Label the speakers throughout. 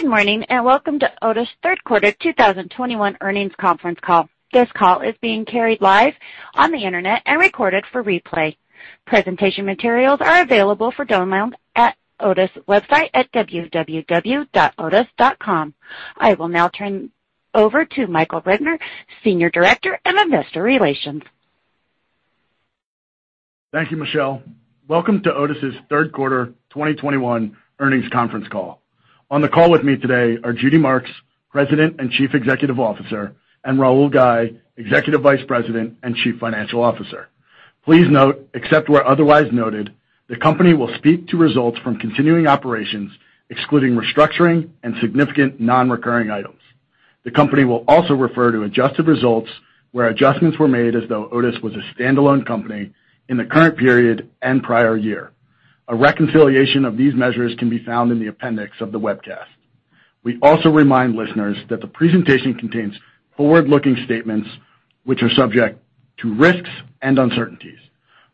Speaker 1: Good morning, and welcome to Otis' third quarter 2021 earnings conference call. This call is being carried live on the internet and recorded for replay. Presentation materials are available for download at Otis' website at www.otis.com. I will now turn over to Michael Rednor, Senior Director of Investor Relations.
Speaker 2: Thank you, Michelle. Welcome to Otis' third quarter 2021 earnings conference call. On the call with me today are Judy Marks, President and Chief Executive Officer, and Rahul Ghai, Executive Vice President and Chief Financial Officer. Please note, except where otherwise noted, the company will speak to results from continuing operations, excluding restructuring and significant non-recurring items. The company will also refer to adjusted results where adjustments were made as though Otis was a standalone company in the current period and prior year. A reconciliation of these measures can be found in the appendix of the webcast. We also remind listeners that the presentation contains forward-looking statements, which are subject to risks and uncertainties.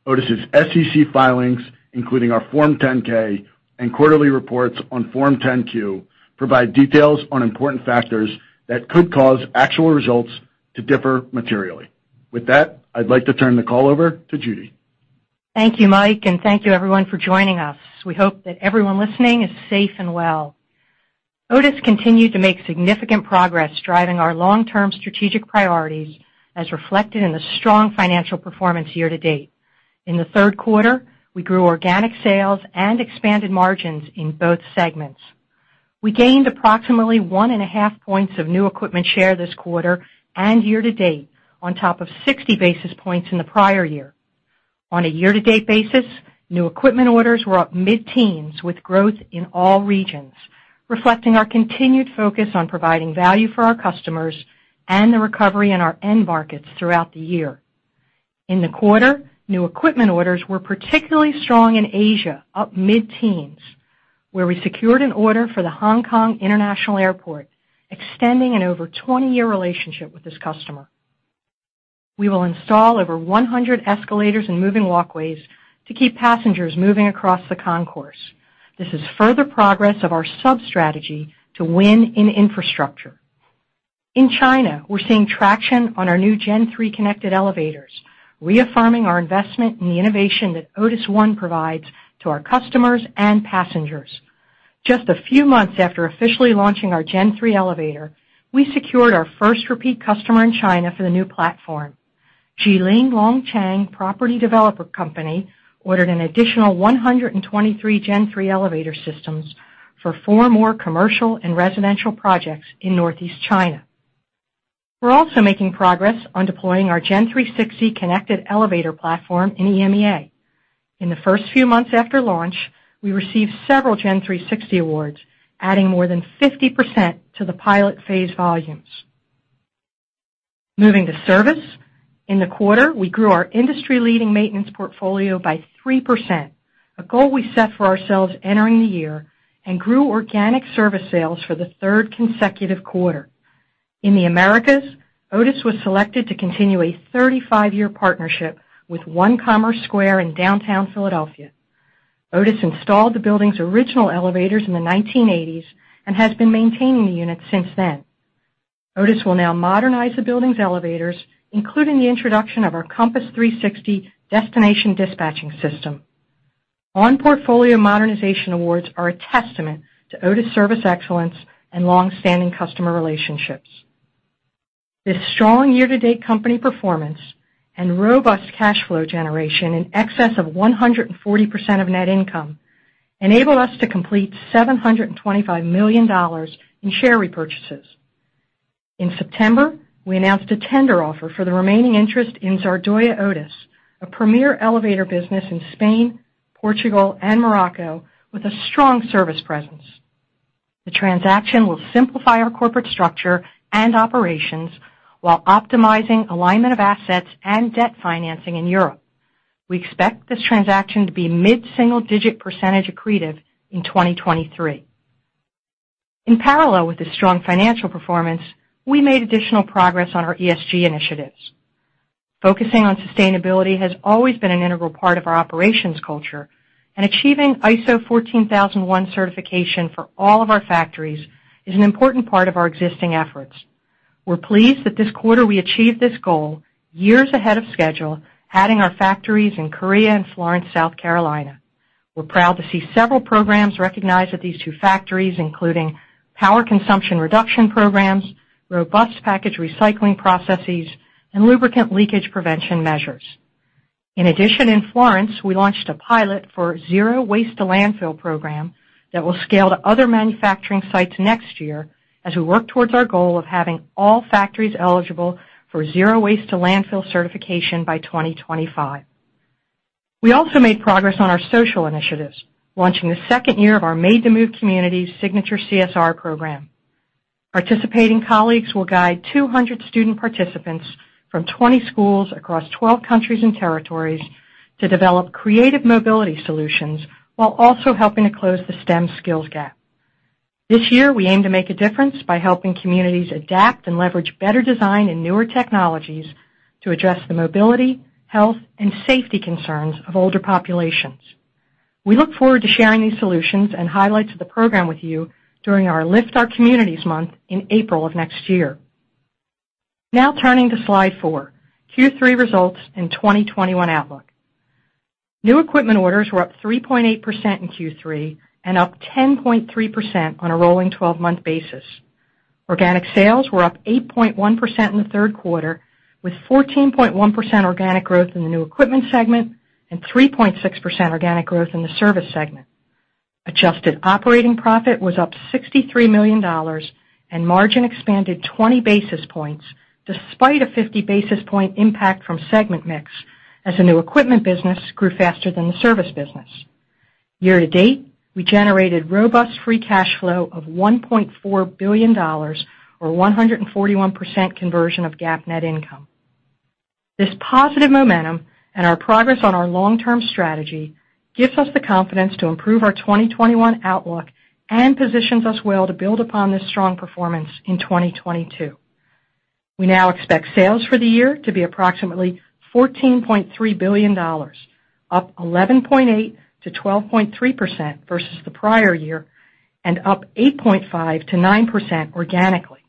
Speaker 2: Otis' SEC filings, including our Form 10-K and quarterly reports on Form 10-Q, provide details on important factors that could cause actual results to differ materially. With that, I'd like to turn the call over to Judy.
Speaker 3: Thank you, Mike, and thank you, everyone, for joining us. We hope that everyone listening is safe and well. Otis continued to make significant progress driving our long-term strategic priorities, as reflected in the strong financial performance year to date. In the third quarter, we grew organic sales and expanded margins in both segments. We gained approximately 1.5 points of new equipment share this quarter and year to date on top of 60 basis points in the prior year. On a year-to-date basis, new equipment orders were up mid-teens with growth in all regions, reflecting our continued focus on providing value for our customers and the recovery in our end markets throughout the year. In the quarter, new equipment orders were particularly strong in Asia, up mid-teens, where we secured an order for the Hong Kong International Airport, extending an over 20-year relationship with this customer. We will install over 100 escalators and moving walkways to keep passengers moving across the concourse. This is further progress of our sub-strategy to win in infrastructure. In China, we're seeing traction on our new Gen3 connected elevators, reaffirming our investment in the innovation that Otis ONE provides to our customers and passengers. Just a few months after officially launching our Gen3 elevator, we secured our first repeat customer in China for the new platform. Jilin Wansheng Property Developer Company ordered an additional 123 Gen3 elevator systems for four more commercial and residential projects in Northeast China. We're also making progress on deploying our Gen360 connected elevator platform in EMEA. In the first few months after launch, we received several Gen360 awards, adding more than 50% to the pilot phase volumes. Moving to service, in the quarter, we grew our industry-leading maintenance portfolio by 3%, a goal we set for ourselves entering the year and grew organic service sales for the third consecutive quarter. In the Americas, Otis was selected to continue a 35-year partnership with One Commerce Square in downtown Philadelphia. Otis installed the building's original elevators in the 1980s and has been maintaining the units since then. Otis will now modernize the building's elevators, including the introduction of our Compass 360 destination dispatching system. On-portfolio modernization awards are a testament to Otis service excellence and long-standing customer relationships. This strong year-to-date company performance and robust cash flow generation in excess of 140% of net income enable us to complete $725 million in share repurchases. In September, we announced a tender offer for the remaining interest in Zardoya Otis, a premier elevator business in Spain, Portugal, and Morocco with a strong service presence. The transaction will simplify our corporate structure and operations while optimizing alignment of assets and debt financing in Europe. We expect this transaction to be mid-single-digit percent accretive in 2023. In parallel with the strong financial performance, we made additional progress on our ESG initiatives. Focusing on sustainability has always been an integral part of our operations culture. Achieving ISO 14001 certification for all of our factories is an important part of our existing efforts. We're pleased that this quarter we achieved this goal years ahead of schedule, adding our factories in Korea and Florence, South Carolina. We're proud to see several programs recognized at these two factories, including power consumption reduction programs, robust package recycling processes, and lubricant leakage prevention measures. In addition, in Florence, we launched a pilot for zero waste to landfill program that will scale to other manufacturing sites next year as we work towards our goal of having all factories eligible for zero waste to landfill certification by 2025. We also made progress on our social initiatives, launching the second year of our Made to Move Communities signature CSR program. Participating colleagues will guide 200 student participants from 20 schools across 12 countries and territories to develop creative mobility solutions while also helping to close the STEM skills gap. This year, we aim to make a difference by helping communities adapt and leverage better design and newer technologies to address the mobility, health, and safety concerns of older populations. We look forward to sharing these solutions and highlights of the program with you during our Lift Our Communities month in April of next year. Turning to slide four, Q3 results and 2021 outlook. New equipment orders were up 3.8% in Q3 and up 10.3% on a rolling 12-month basis. Organic sales were up 8.1% in the third quarter, with 14.1% organic growth in the new equipment segment and 3.6% organic growth in the service segment. Adjusted operating profit was up $63 million, and margin expanded 20 basis points, despite a 50 basis point impact from segment mix, as the new equipment business grew faster than the service business. Year-to-date, we generated robust free cash flow of $1.4 billion, or 141% conversion of GAAP net income. This positive momentum and our progress on our long-term strategy gives us the confidence to improve our 2021 outlook and positions us well to build upon this strong performance in 2022. We now expect sales for the year to be approximately $14.3 billion, up 11.8%-12.3% versus the prior year, and up 8.5%-9% organically.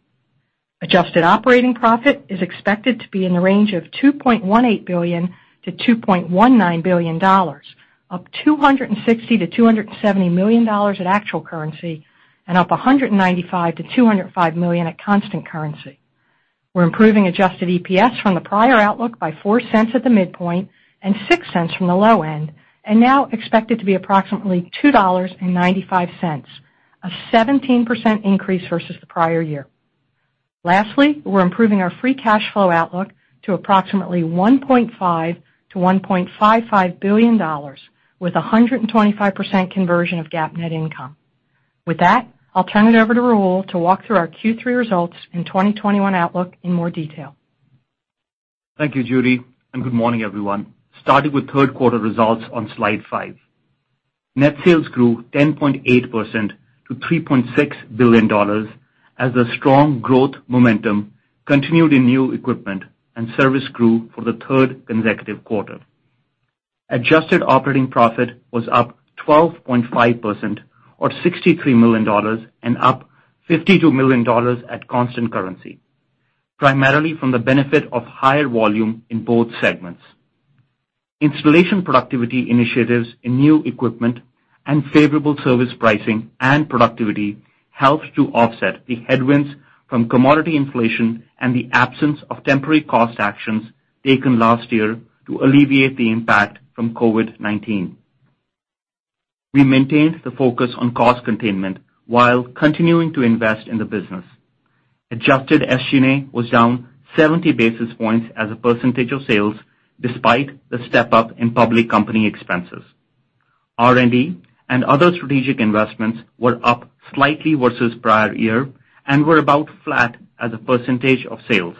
Speaker 3: Adjusted operating profit is expected to be in the range of $2.18 billion-$2.19 billion, up $260 million-$270 million at actual currency, and up $195 million-$205 million at constant currency. We're improving adjusted EPS from the prior outlook by $0.04 at the midpoint and $0.06 from the low end, and now expect it to be approximately $2.95, a 17% increase versus the prior year. Lastly, we're improving our free cash flow outlook to approximately $1.5 billion-$1.55 billion, with 125% conversion of GAAP net income. With that, I'll turn it over to Rahul to walk through our Q3 results and 2021 outlook in more detail.
Speaker 4: Thank you, Judy. Good morning, everyone. Starting with third quarter results on slide five. Net sales grew 10.8% to $3.6 billion as the strong growth momentum continued in new equipment and service grew for the third consecutive quarter. Adjusted operating profit was up 12.5%, or $63 million, and up $52 million at constant currency, primarily from the benefit of higher volume in both segments. Installation productivity initiatives in new equipment and favorable service pricing and productivity helped to offset the headwinds from commodity inflation and the absence of temporary cost actions taken last year to alleviate the impact from COVID-19. We maintained the focus on cost containment while continuing to invest in the business. Adjusted SG&A was down 70 basis points as a percentage of sales despite the step-up in public company expenses. R&D and other strategic investments were up slightly versus prior year and were about flat as a percentage of sales.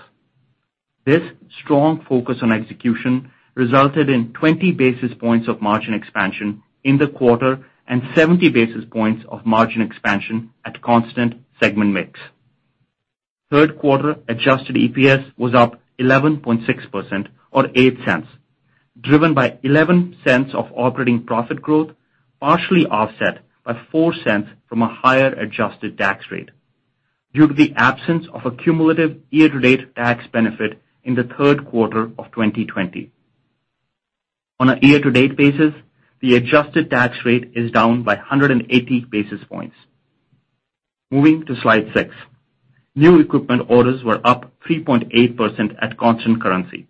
Speaker 4: This strong focus on execution resulted in 20 basis points of margin expansion in the quarter and 70 basis points of margin expansion at constant segment mix. Third quarter adjusted EPS was up 11.6%, or $0.08, driven by $0.11 of operating profit growth, partially offset by $0.04 from a higher adjusted tax rate due to the absence of a cumulative year-to-date tax benefit in the third quarter of 2020. On a year-to-date basis, the adjusted tax rate is down by 180 basis points. Moving to slide six. New equipment orders were up 3.8% at constant currency.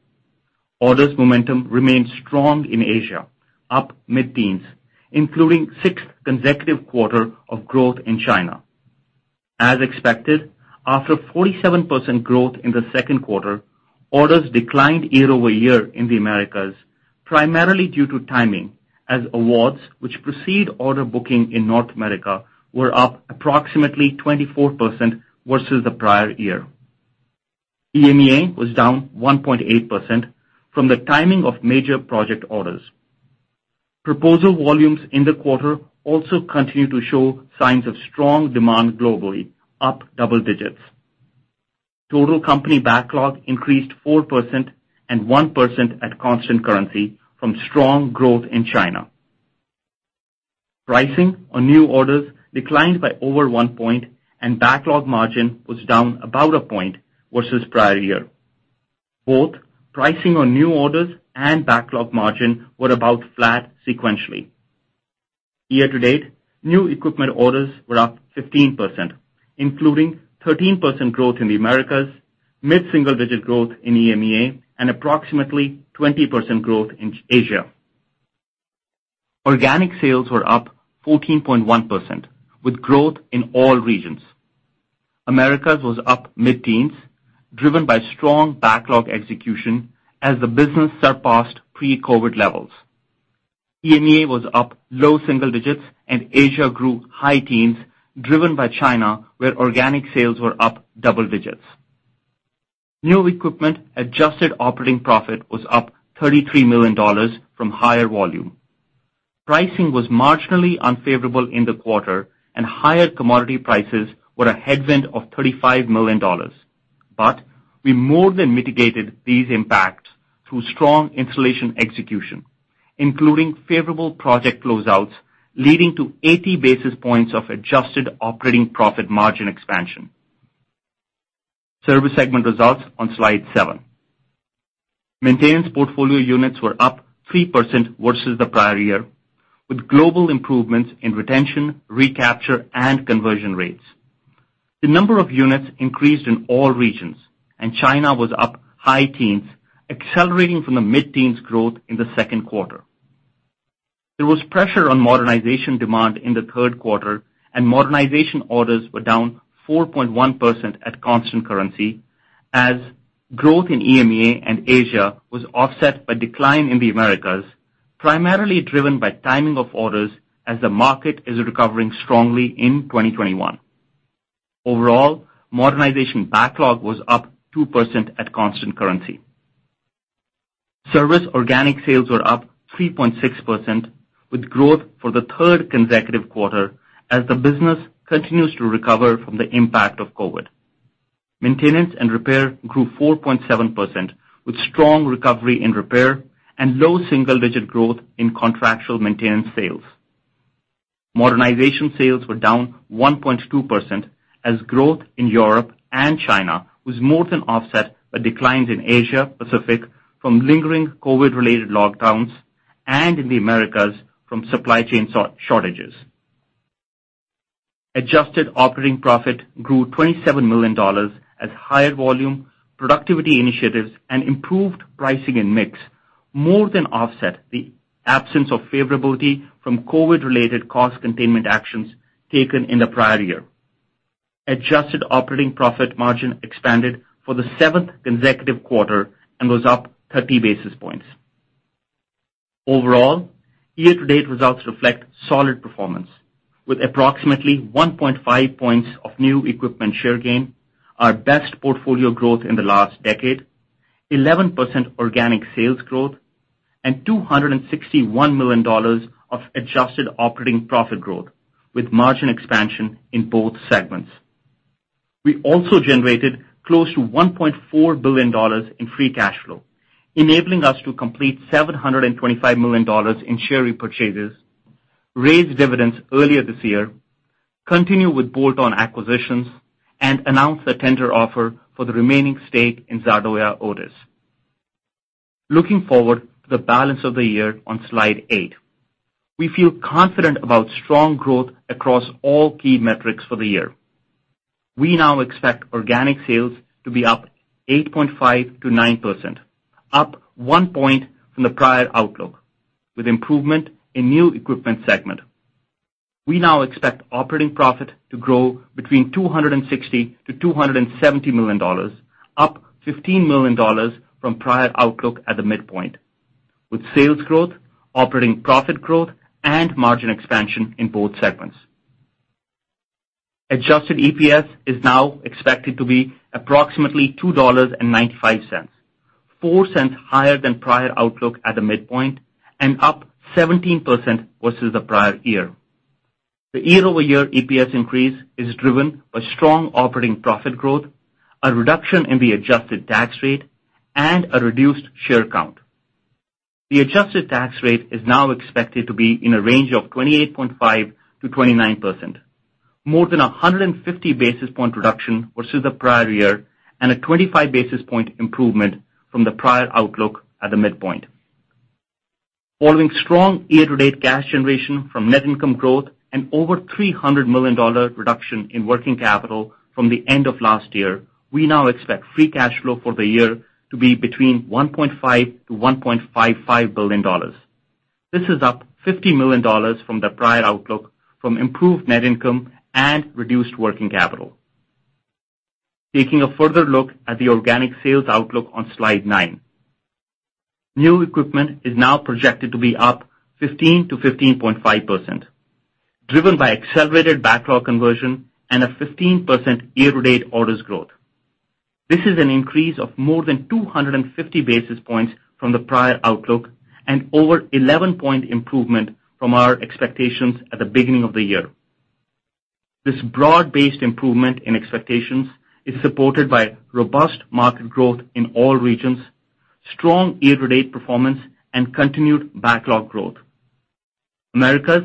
Speaker 4: Orders momentum remained strong in Asia, up mid-teens, including sixth consecutive quarter of growth in China. As expected, after 47% growth in the second quarter, orders declined year-over-year in the Americas, primarily due to timing, as awards which precede order booking in North America were up approximately 24% versus the prior year. EMEA was down 1.8% from the timing of major project orders. Proposal volumes in the quarter also continue to show signs of strong demand globally, up double digits. Total company backlog increased 4% and 1% at constant currency from strong growth in China. Pricing on new orders declined by over one point, and backlog margin was down about a point versus prior year. Both pricing on new orders and backlog margin were about flat sequentially. Year-to-date, new equipment orders were up 15%, including 13% growth in the Americas, mid-single-digit growth in EMEA, and approximately 20% growth in Asia. Organic sales were up 14.1%, with growth in all regions. Americas was up mid-teens, driven by strong backlog execution as the business surpassed pre-COVID levels. EMEA was up low single digits, and Asia grew high teens, driven by China, where organic sales were up double digits. New equipment adjusted operating profit was up $33 million from higher volume. Pricing was marginally unfavorable in the quarter, and higher commodity prices were a headwind of $35 million. We more than mitigated these impacts through strong installation execution, including favorable project closeouts, leading to 80 basis points of adjusted operating profit margin expansion. Service segment results on slide seven. Maintenance portfolio units were up 3% versus the prior year, with global improvements in retention, recapture, and conversion rates. The number of units increased in all regions, and China was up high teens, accelerating from the mid-teens growth in the second quarter. There was pressure on modernization demand in the third quarter, and modernization orders were down 4.1% at constant currency as growth in EMEA and Asia was offset by decline in the Americas, primarily driven by timing of orders as the market is recovering strongly in 2021. Overall, modernization backlog was up 2% at constant currency. Service organic sales were up 3.6% with growth for the third consecutive quarter as the business continues to recover from the impact of COVID. Maintenance and repair grew 4.7% with strong recovery in repair and low single-digit growth in contractual maintenance sales. Modernization sales were down 1.2% as growth in Europe and China was more than offset by declines in Asia Pacific from lingering COVID-related lockdowns and in the Americas from supply chain shortages. Adjusted operating profit grew $27 million as higher volume, productivity initiatives, and improved pricing and mix more than offset the absence of favorability from COVID-related cost containment actions taken in the prior year. Adjusted operating profit margin expanded for the seventh consecutive quarter and was up 30 basis points. Overall, year-to-date results reflect solid performance with approximately 1.5 points of new equipment share gain, our best portfolio growth in the last decade, 11% organic sales growth, and $261 million of adjusted operating profit growth with margin expansion in both segments. We also generated close to $1.4 billion in free cash flow, enabling us to complete $725 million in share repurchases, raise dividends earlier this year, continue with bolt-on acquisitions, and announce the tender offer for the remaining stake in Zardoya Otis. Looking forward to the balance of the year on slide eight. We feel confident about strong growth across all key metrics for the year. We now expect organic sales to be up 8.5%-9%, up 1 point from the prior outlook, with improvement in new equipment segment. We now expect operating profit to grow between $260 million-$270 million, up $15 million from prior outlook at the midpoint, with sales growth, operating profit growth, and margin expansion in both segments. Adjusted EPS is now expected to be approximately $2.95, $0.04 higher than prior outlook at the midpoint and up 17% versus the prior year. The year-over-year EPS increase is driven by strong operating profit growth, a reduction in the adjusted tax rate, and a reduced share count. The adjusted tax rate is now expected to be in a range of 28.5%-29%, more than 150 basis point reduction versus the prior year and a 25 basis point improvement from the prior outlook at the midpoint. Following strong year-to-date cash generation from net income growth and over $300 million reduction in working capital from the end of last year, we now expect free cash flow for the year to be between $1.5 billion-$1.55 billion. This is up $50 million from the prior outlook from improved net income and reduced working capital. Taking a further look at the organic sales outlook on slide nine. New equipment is now projected to be up 15%-15.5%, driven by accelerated backlog conversion and a 15% year-to-date orders growth. This is an increase of more than 250 basis points from the prior outlook and over 11-point improvement from our expectations at the beginning of the year. This broad-based improvement in expectations is supported by robust market growth in all regions, strong year-to-date performance, and continued backlog growth. Americas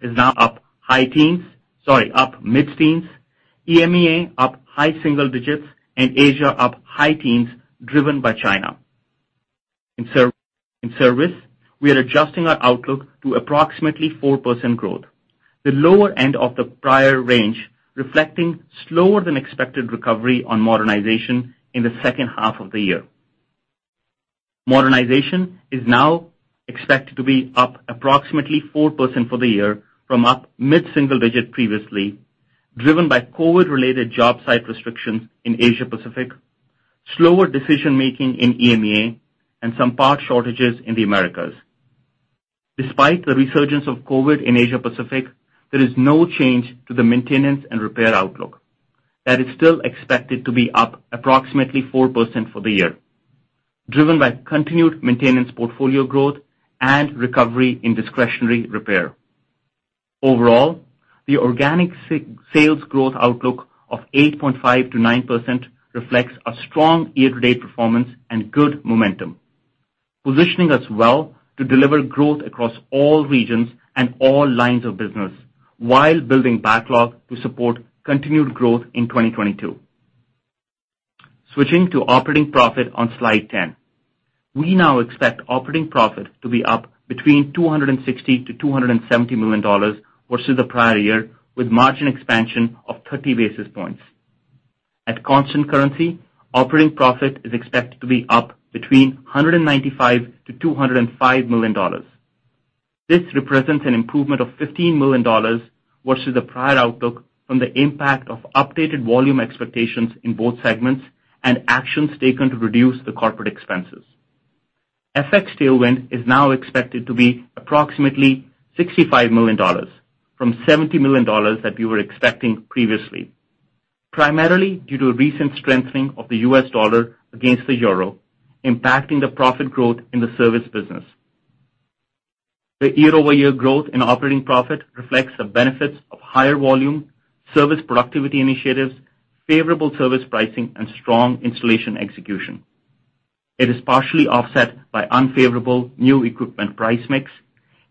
Speaker 4: is now up high teens, sorry, up mid-teens, EMEA up high single digits, and Asia up high teens, driven by China. In service, we are adjusting our outlook to approximately 4% growth, the lower end of the prior range reflecting slower than expected recovery on modernization in the second half of the year. Modernization is now expected to be up approximately 4% for the year, from up mid-single digit previously, driven by COVID-related job site restrictions in Asia Pacific, slower decision making in EMEA, and some part shortages in the Americas. Despite the resurgence of COVID in Asia Pacific, there is no change to the maintenance and repair outlook. That is still expected to be up approximately 4% for the year, driven by continued maintenance portfolio growth and recovery in discretionary repair. Overall, the organic sales growth outlook of 8.5%-9% reflects a strong year-to-date performance and good momentum, positioning us well to deliver growth across all regions and all lines of business while building backlog to support continued growth in 2022. Switching to operating profit on slide 10. We now expect operating profit to be up between $260 million-$270 million versus the prior year, with margin expansion of 30 basis points. At constant currency, operating profit is expected to be up between $195 million-$205 million. This represents an improvement of $15 million versus the prior outlook from the impact of updated volume expectations in both segments and actions taken to reduce the corporate expenses. FX tailwind is now expected to be approximately $65 million from $70 million that we were expecting previously, primarily due to a recent strengthening of the U.S. dollar against the euro, impacting the profit growth in the service business. The year-over-year growth in operating profit reflects the benefits of higher volume, service productivity initiatives, favorable service pricing, and strong installation execution. It is partially offset by unfavorable new equipment price mix,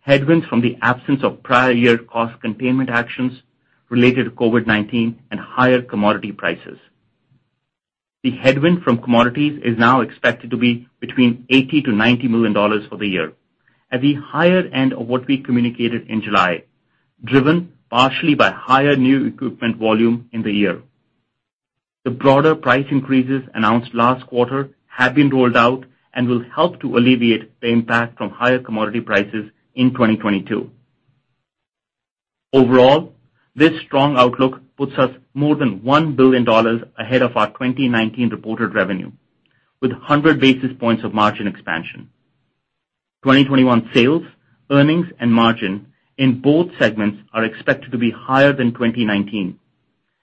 Speaker 4: headwinds from the absence of prior year cost containment actions related to COVID-19, and higher commodity prices. The headwind from commodities is now expected to be between $80 million-$90 million for the year. At the higher end of what we communicated in July, driven partially by higher new equipment volume in the year. The broader price increases announced last quarter have been rolled out and will help to alleviate the impact from higher commodity prices in 2022. Overall, this strong outlook puts us more than $1 billion ahead of our 2019 reported revenue with 100 basis points of margin expansion. 2021 sales, earnings, and margin in both segments are expected to be higher than 2019,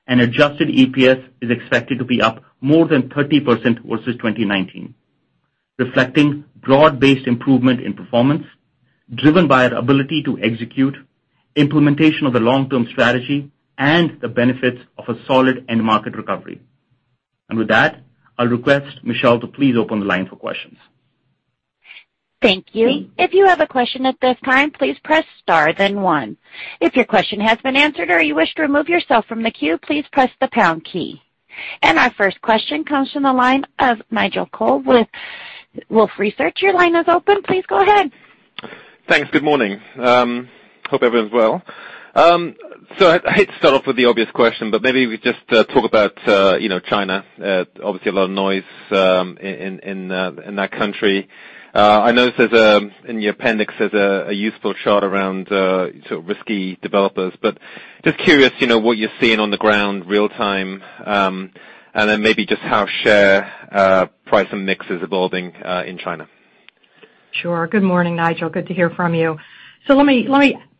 Speaker 4: and adjusted EPS is expected to be up more than 30% versus 2019, reflecting broad-based improvement in performance driven by our ability to execute implementation of the long-term strategy and the benefits of a solid end-market recovery. With that, I'll request Michelle to please open the line for questions.
Speaker 1: Thank you. If you have a question at this time, please press star then one. if your question has been answered or you wish to remove yourself from the queue, please press the pound key. Our first question comes from the line of Nigel Coe with Wolfe Research. Your line is open. Please go ahead.
Speaker 5: Thanks. Good morning. Hope everyone's well. I hate to start off with the obvious question, maybe we just talk about China. Obviously, a lot of noise in that country. I noticed in the appendix, there's a useful chart around risky developers. Just curious what you're seeing on the ground real-time, maybe just how share price and mix is evolving in China.
Speaker 3: Sure. Good morning, Nigel. Good to hear from you. Let me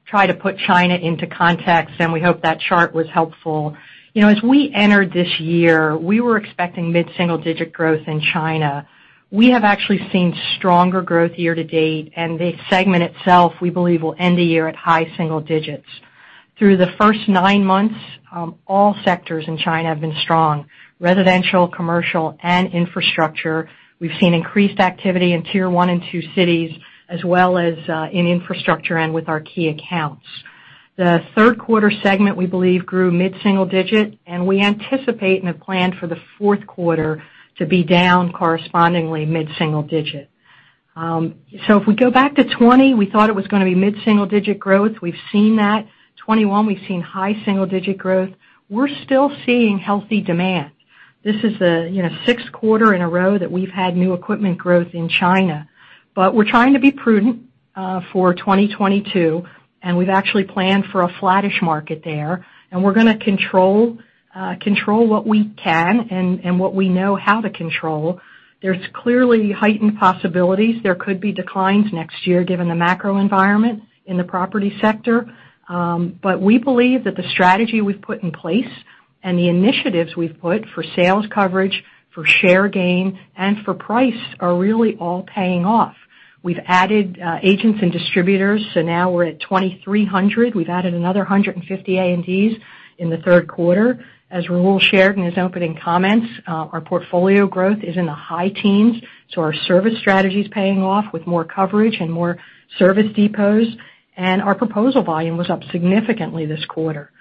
Speaker 3: try to put China into context, and we hope that chart was helpful. As we entered this year, we were expecting mid-single-digit growth in China. We have actually seen stronger growth year to date, and the segment itself, we believe, will end the year at high single digits. Through the first nine months, all sectors in China have been strong: residential, commercial, and infrastructure. We've seen increased activity in tier 1 and 2 cities, as well as in infrastructure and with our key accounts. The third quarter segment, we believe, grew mid-single-digit, and we anticipate and have planned for the fourth quarter to be down correspondingly mid-single-digit. If we go back to 2020, we thought it was going to be mid-single-digit growth. We've seen that. 2021, we've seen high-single-digit growth. We're still seeing healthy demand. This is the sixth quarter in a row that we've had new equipment growth in China. We're trying to be prudent for 2022, and we've actually planned for a flattish market there, and we're going to control what we can and what we know how to control. There's clearly heightened possibilities. There could be declines next year given the macro environment in the property sector. We believe that the strategy we've put in place and the initiatives we've put for sales coverage, for share gain, and for price are really all paying off. We've added agents and distributors, so now we're at 2,300. We've added another 150 A&Ds in the third quarter. As Rahul shared in his opening comments, our portfolio growth is in the high teens. Our service strategy is paying off with more coverage and more service depots. Our proposal volume was up significantly this quarter.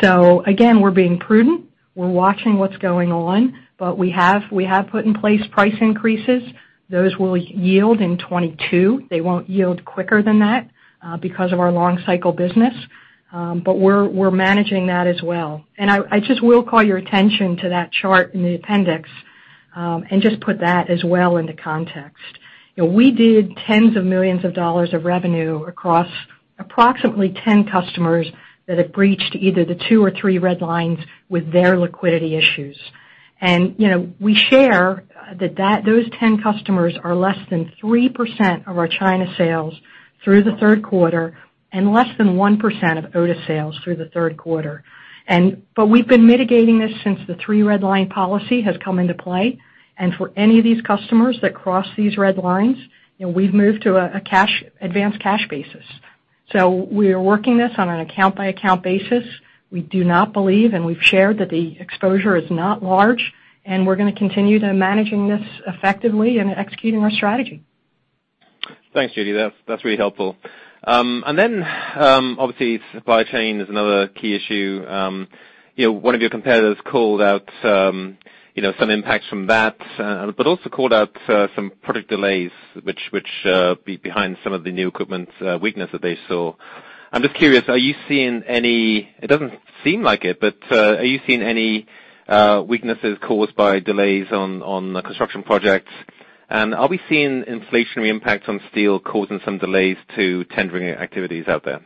Speaker 3: Again, we're being prudent. We're watching what's going on. We have put in place price increases. Those will yield in 2022. They won't yield quicker than that because of our long cycle business. We're managing that as well. I just will call your attention to that chart in the appendix. Just put that as well into context. We did tens of millions of dollars of revenue across approximately 10 customers that have breached either the two or three red lines with their liquidity issues. We share that those 10 customers are less than 3% of our China sales through the third quarter and less than 1% of Otis sales through the third quarter. We've been mitigating this since the three red line policy has come into play. For any of these customers that cross these red lines, we've moved to a cash advance cash basis. We are working this on an account-by-account basis. We do not believe, and we've shared that the exposure is not large, and we're going to continue to managing this effectively and executing our strategy.
Speaker 5: Thanks, Judy. That's really helpful. Obviously, supply chain is another key issue. One of your competitors called out some impacts from that, but also called out some product delays which behind some of the new equipment's weakness that they saw. I'm just curious, it doesn't seem like it, are you seeing any weaknesses caused by delays on the construction projects? Are we seeing inflationary impacts on steel causing some delays to tendering activities out there?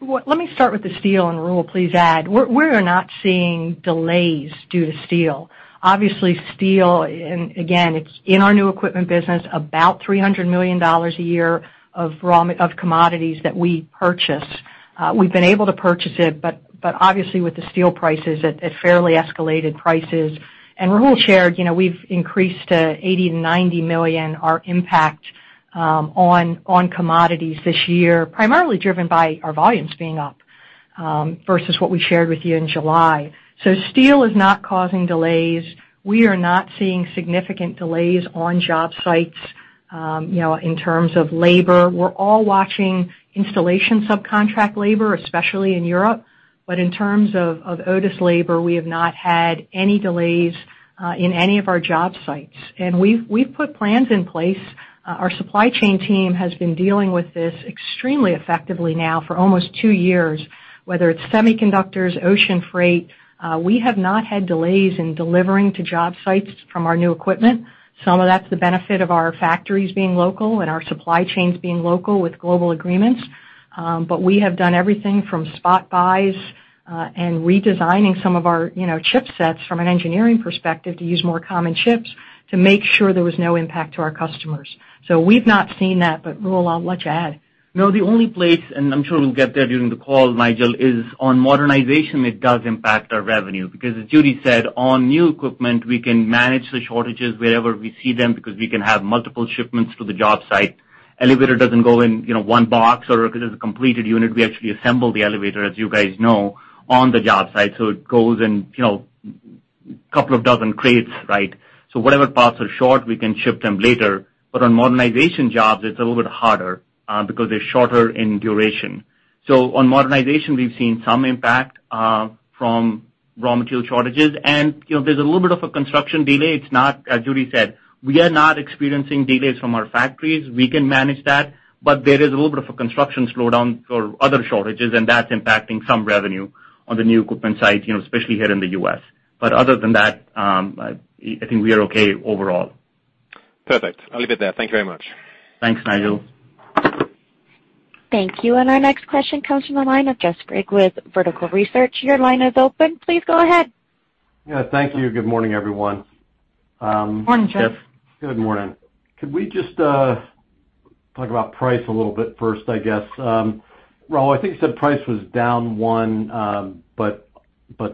Speaker 3: Well, let me start with the steel. Rahul please add. We're not seeing delays due to steel. Obviously, steel, and again, it's in our new equipment business, about $300 million a year of commodities that we purchase. We've been able to purchase it, but obviously, with the steel prices at fairly escalated prices. Rahul shared, we've increased $80 million-$90 million our impact on commodities this year, primarily driven by our volumes being up, versus what we shared with you in July. Steel is not causing delays. We are not seeing significant delays on job sites in terms of labor. We're all watching installation subcontract labor, especially in Europe. In terms of Otis labor, we have not had any delays in any of our job sites. We've put plans in place. Our supply chain team has been dealing with this extremely effectively now for almost two years, whether it's semiconductors, ocean freight. We have not had delays in delivering to job sites from our new equipment. Some of that's the benefit of our factories being local and our supply chains being local with global agreements. We have done everything from spot buys, and redesigning some of our chipsets from an engineering perspective to use more common chips to make sure there was no impact to our customers. We've not seen that, but Rahul, I'll let you add.
Speaker 4: The only place, and I'm sure we'll get there during the call, Nigel, is on modernization, it does impact our revenue, because as Judy said, on new equipment, we can manage the shortages wherever we see them because we can have multiple shipments to the job site. Elevator doesn't go in one box or because it's a completed unit, we actually assemble the elevator, as you guys know, on the job site. It goes in a couple of dozen crates, right? Whatever parts are short, we can ship them later. On modernization jobs, it's a little bit harder because they're shorter in duration. On modernization, we've seen some impact from raw material shortages. There's a little bit of a construction delay. As Judy said, we are not experiencing delays from our factories. We can manage that, but there is a little bit of a construction slowdown for other shortages, and that's impacting some revenue on the new equipment side, especially here in the U.S. Other than that, I think we are okay overall.
Speaker 5: Perfect. I'll leave it there. Thank you very much.
Speaker 4: Thanks, Nigel.
Speaker 1: Thank you. Our next question comes from the line of Jeff Sprague with Vertical Research Partners. Your line is open. Please go ahead.
Speaker 6: Yeah, thank you. Good morning, everyone.
Speaker 3: Morning, Jeff.
Speaker 6: Good morning. Could we just talk about price a little bit first, I guess? Rahul, I think you said price was down 1%,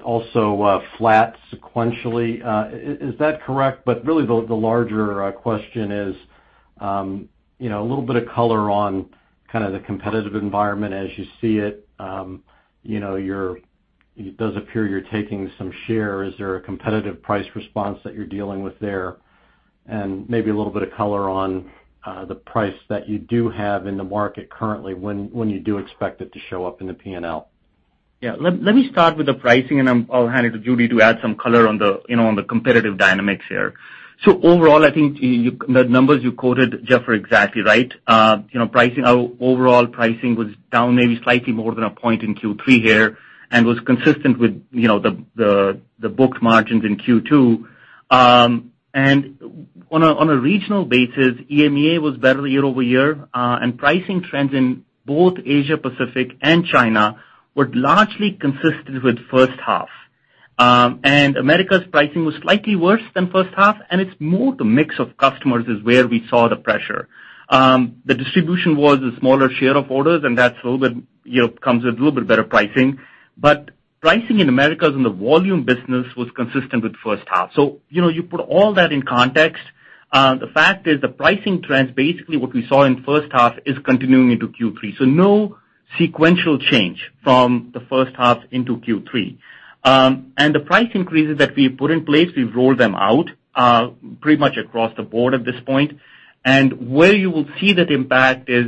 Speaker 6: also flat sequentially. Is that correct? Really the larger question is, a little bit of color on kind of the competitive environment as you see it. It does appear you're taking some share. Is there a competitive price response that you're dealing with there? Maybe a little bit of color on the price that you do have in the market currently, when you do expect it to show up in the P&L.
Speaker 4: Yeah. Let me start with the pricing, and I'll hand it to Judy to add some color on the competitive dynamics here. Overall, I think the numbers you quoted, Jeff, are exactly right. Overall pricing was down maybe slightly more than a point in Q3 here and was consistent with the booked margins in Q2. On a regional basis, EMEA was better year-over-year, and pricing trends in both Asia Pacific and China were largely consistent with first half. Americas pricing was slightly worse than first half, and it's more the mix of customers is where we saw the pressure. The distribution was a smaller share of orders, and that comes with a little bit better pricing. Pricing in Americas in the volume business was consistent with first half. You put all that in context, the fact is the pricing trends, basically what we saw in first half is continuing into Q3. No sequential change from the first half into Q3. The price increases that we put in place, we've rolled them out pretty much across the board at this point. Where you will see that impact is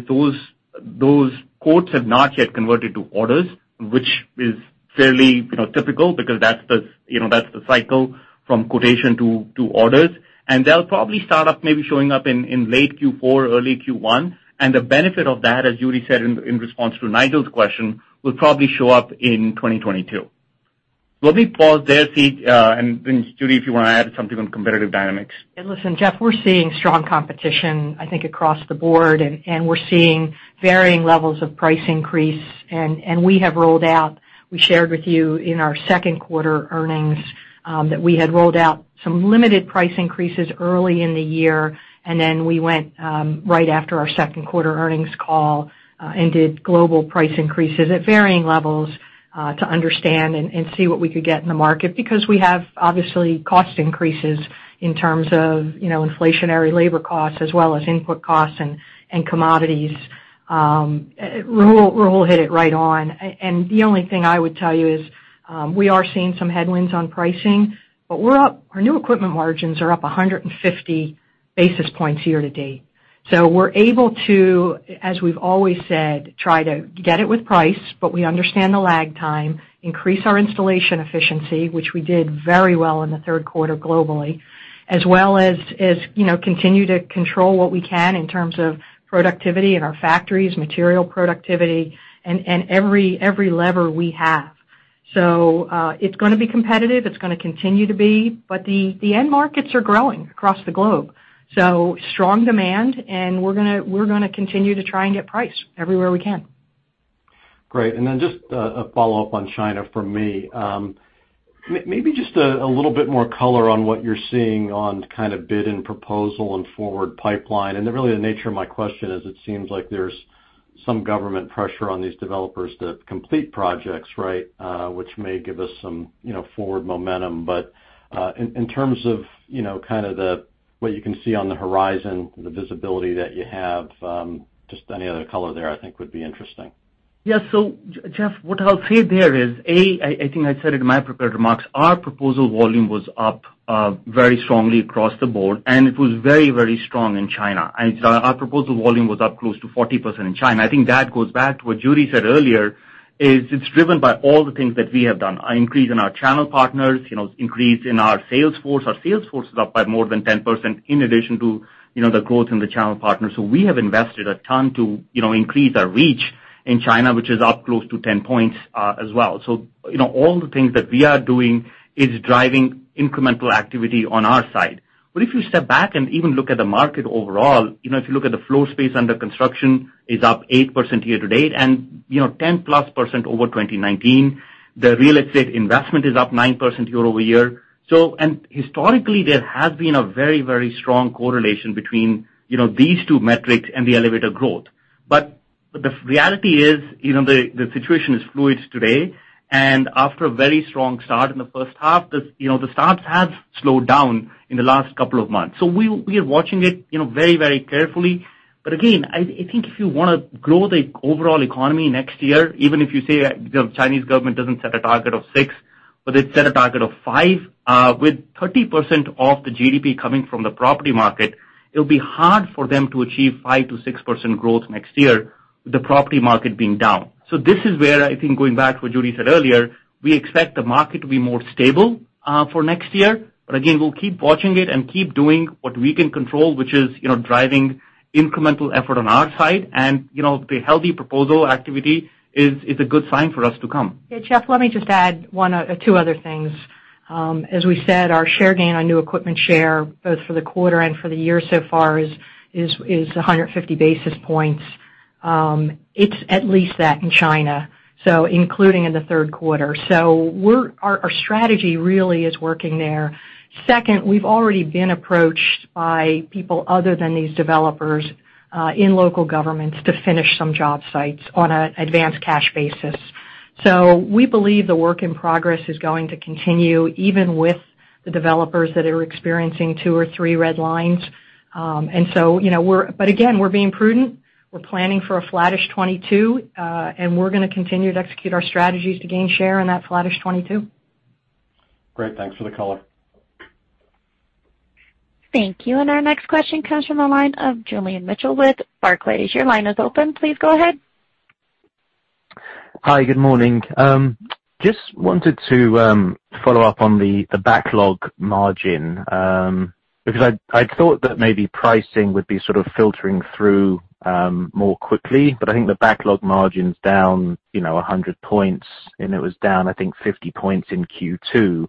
Speaker 4: those quotes have not yet converted to orders, which is fairly typical because that's the cycle from quotation to orders. They'll probably start off maybe showing up in late Q4, early Q1. The benefit of that, as Judy said in response to Nigel's question, will probably show up in 2022. Let me pause there, see. Judy, if you want to add something on competitive dynamics.
Speaker 3: Yeah. Listen, Jeff, we're seeing strong competition, I think across the board, and we're seeing varying levels of price increase. We have rolled out, we shared with you in our second quarter earnings, that we had rolled out some limited price increases early in the year, and then we went, right after our second quarter earnings call, and did global price increases at varying levels, to understand and see what we could get in the market because we have obviously cost increases in terms of inflationary labor costs as well as input costs and commodities. Rahul hit it right on. The only thing I would tell you is, we are seeing some headwinds on pricing, but our new equipment margins are up 150 basis points year to date. We're able to, as we've always said, try to get it with price, but we understand the lag time, increase our installation efficiency, which we did very well in the third quarter globally, as well as continue to control what we can in terms of productivity in our factories, material productivity, and every lever we have. It's going to be competitive. It's going to continue to be, but the end markets are growing across the globe. Strong demand, and we're going to continue to try and get price everywhere we can.
Speaker 6: Great. Just a follow-up on China from me. Maybe just a little bit more color on what you're seeing on kind of bid and proposal and forward pipeline. Really the nature of my question is it seems like there's some government pressure on these developers to complete projects, which may give us some forward momentum. In terms of what you can see on the horizon, the visibility that you have, just any other color there I think would be interesting.
Speaker 4: Yeah. Jeff, what I'll say there is, A, I think I said it in my prepared remarks, our proposal volume was up very strongly across the board, and it was very strong in China. Our proposal volume was up close to 40% in China. I think that goes back to what Judy said earlier, is it's driven by all the things that we have done. Our increase in our channel partners, increase in our sales force. Our sales force is up by more than 10% in addition to the growth in the channel partners. We have invested a ton to increase our reach in China, which is up close to 10 points as well. All the things that we are doing is driving incremental activity on our side. If you step back and even look at the market overall, if you look at the floor space under construction is up 8% year to date and 10+% over 2019. The real estate investment is up 9% year-over-year. Historically, there has been a very strong correlation between these two metrics and the elevator growth. The reality is the situation is fluid today, and after a very strong start in the first half, the starts have slowed down in the last couple of months. We are watching it very carefully. Again, I think if you want to grow the overall economy next year, even if you say the Chinese government doesn't set a target of 6%, but it set a target of 5%, with 30% of the GDP coming from the property market, it'll be hard for them to achieve 5%-6% growth next year with the property market being down. This is where I think, going back to what Judy said earlier, we expect the market to be more stable for next year. Again, we'll keep watching it and keep doing what we can control, which is driving incremental effort on our side. The healthy proposal activity is a good sign for us to come.
Speaker 3: Jeff, let me just add two other things. As we said, our share gain on new equipment share, both for the quarter and for the year so far is 150 basis points. It's at least that in China, so including in the third quarter. Our strategy really is working there. Second, we've already been approached by people other than these developers, in local governments to finish some job sites on an advanced cash basis. We believe the work in progress is going to continue even with the developers that are experiencing two or three red lines. Again, we're being prudent. We're planning for a flattish 2022, and we're going to continue to execute our strategies to gain share in that flattish 2022.
Speaker 6: Great. Thanks for the color.
Speaker 1: Thank you. Our next question comes from the line of Julian Mitchell with Barclays. Your line is open. Please go ahead.
Speaker 7: Hi. Good morning. Just wanted to follow up on the backlog margin, because I'd thought that maybe pricing would be sort of filtering through more quickly, but I think the backlog margin's down 100 points and it was down, I think, 50 points in Q2.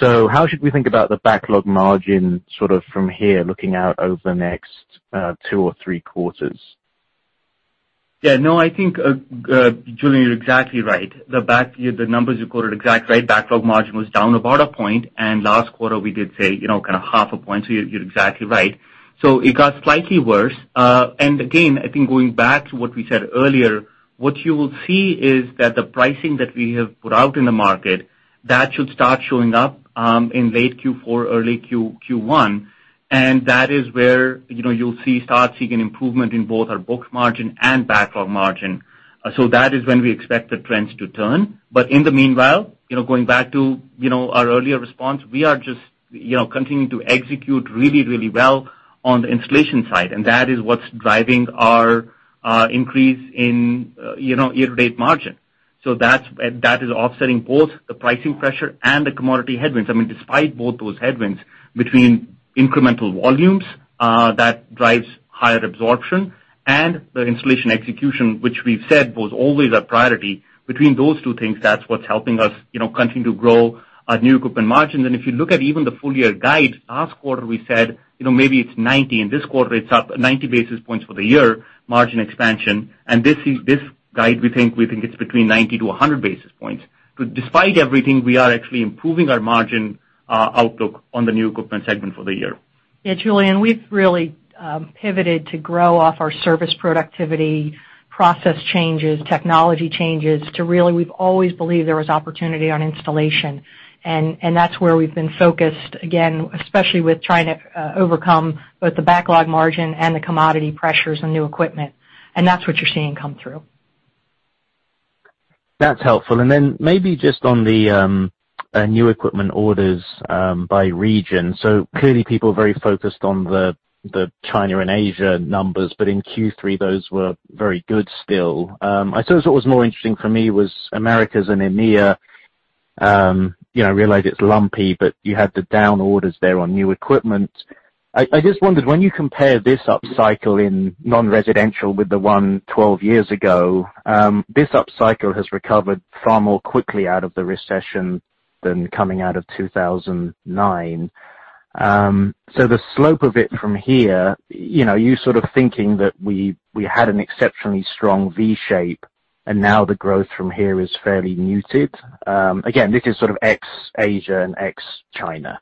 Speaker 7: How should we think about the backlog margin sort of from here looking out over the next two or three quarters?
Speaker 4: No, I think, Julian, you're exactly right. The numbers you quoted exact right. Backlog margin was down about a point, and last quarter we did say kind of 0.5 point, you're exactly right. It got slightly worse. Again, I think going back to what we said earlier, what you will see is that the pricing that we have put out in the market, that should start showing up in late Q4, early Q1, and that is where you'll start seeing an improvement in both our book margin and backlog margin. That is when we expect the trends to turn. In the meanwhile, going back to our earlier response, we are just continuing to execute really well on the installation side, and that is what's driving our increase in year-to-date margin. That is offsetting both the pricing pressure and the commodity headwinds. Despite both those headwinds, between incremental volumes that drives higher absorption and the installation execution, which we've said was always a priority, between those two things, that's what's helping us continue to grow our new equipment margins. If you look at even the full-year guide, last quarter we said, maybe it's 90, and this quarter it's up 90 basis points for the year margin expansion. This guide, we think it's between 90 to 100 basis points. Despite everything, we are actually improving our margin outlook on the new equipment segment for the year.
Speaker 3: Yeah, Julian, we've really pivoted to grow off our service productivity, process changes, technology changes to really, we've always believed there was opportunity on installation. That's where we've been focused, again, especially with trying to overcome both the backlog margin and the commodity pressures on new equipment. That's what you're seeing come through.
Speaker 7: That's helpful. Then maybe just on the new equipment orders by region. Clearly people are very focused on the China and Asia numbers, but in Q3 those were very good still. I suppose what was more interesting for me was Americas and EMEA. I realize it's lumpy, but you had the down orders there on new equipment. I just wondered, when you compare this upcycle in non-residential with the one 12 years ago, this upcycle has recovered far more quickly out of the recession than coming out of 2009. The slope of it from here, you sort of thinking that we had an exceptionally strong V shape and now the growth from here is fairly muted. Again, this is sort of ex Asia and ex China.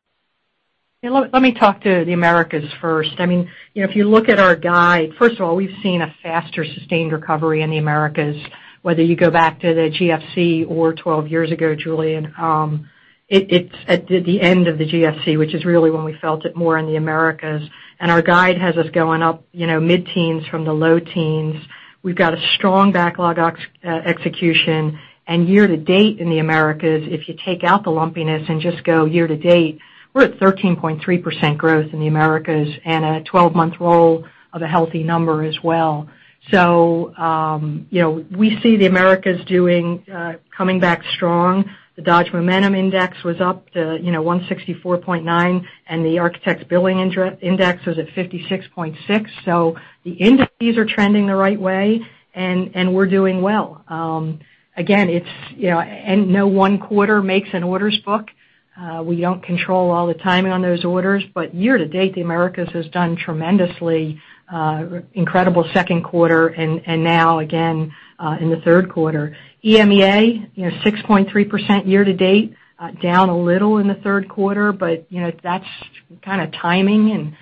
Speaker 3: Let me talk to the Americas first. If you look at our guide, first of all, we've seen a faster sustained recovery in the Americas, whether you go back to the GFC or 12 years ago, Julian. It's at the end of the GFC, which is really when we felt it more in the Americas, and our guide has us going up mid-teens from the low teens. We've got a strong backlog execution. Year to date in the Americas, if you take out the lumpiness and just go year to date, we're at 13.3% growth in the Americas and a 12-month roll of a healthy number as well. We see the Americas coming back strong. The Dodge Momentum Index was up to 164.9, and the Architecture Billings Index was at 56.6. The indices are trending the right way, and we're doing well. Again, no one quarter makes an orders book. We don't control all the timing on those orders, but year to date, the Americas has done tremendously incredible second quarter and now again in the third quarter. EMEA, 6.3% year to date, down a little in the third quarter, but that's kind of timing.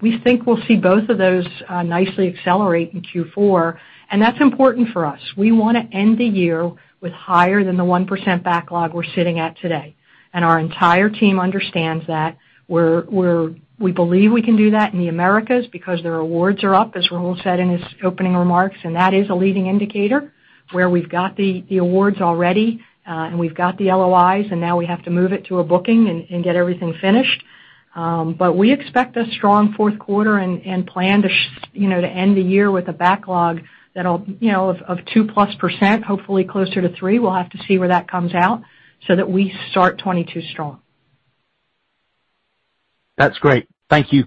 Speaker 3: We think we'll see both of those nicely accelerate in Q4, and that's important for us. We want to end the year with higher than the 1% backlog we're sitting at today. Our entire team understands that. We believe we can do that in the Americas because their awards are up, as Rahul said in his opening remarks, and that is a leading indicator where we've got the awards already, and we've got the LOIs, and now we have to move it to a booking and get everything finished. We expect a strong fourth quarter and plan to end the year with a backlog of 2%+, hopefully closer to 3%, we'll have to see where that comes out, so that we start 2022 strong.
Speaker 7: That's great. Thank you.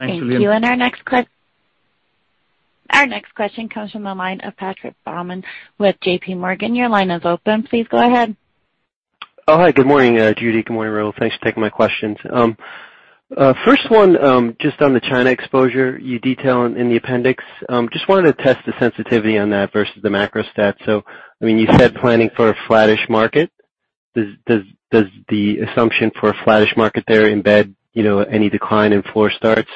Speaker 4: Thanks, Julian.
Speaker 1: Thank you. Our next question comes from the line of Patrick Baumann with JPMorgan. Your line is open. Please go ahead.
Speaker 8: Oh, hi. Good morning, Judy. Good morning, Rahul. Thanks for taking my questions. First one, just on the China exposure you detail in the appendix. Just wanted to test the sensitivity on that versus the macro stats. So you said planning for a flattish market. Does the assumption for a flattish market there embed any decline in floor starts?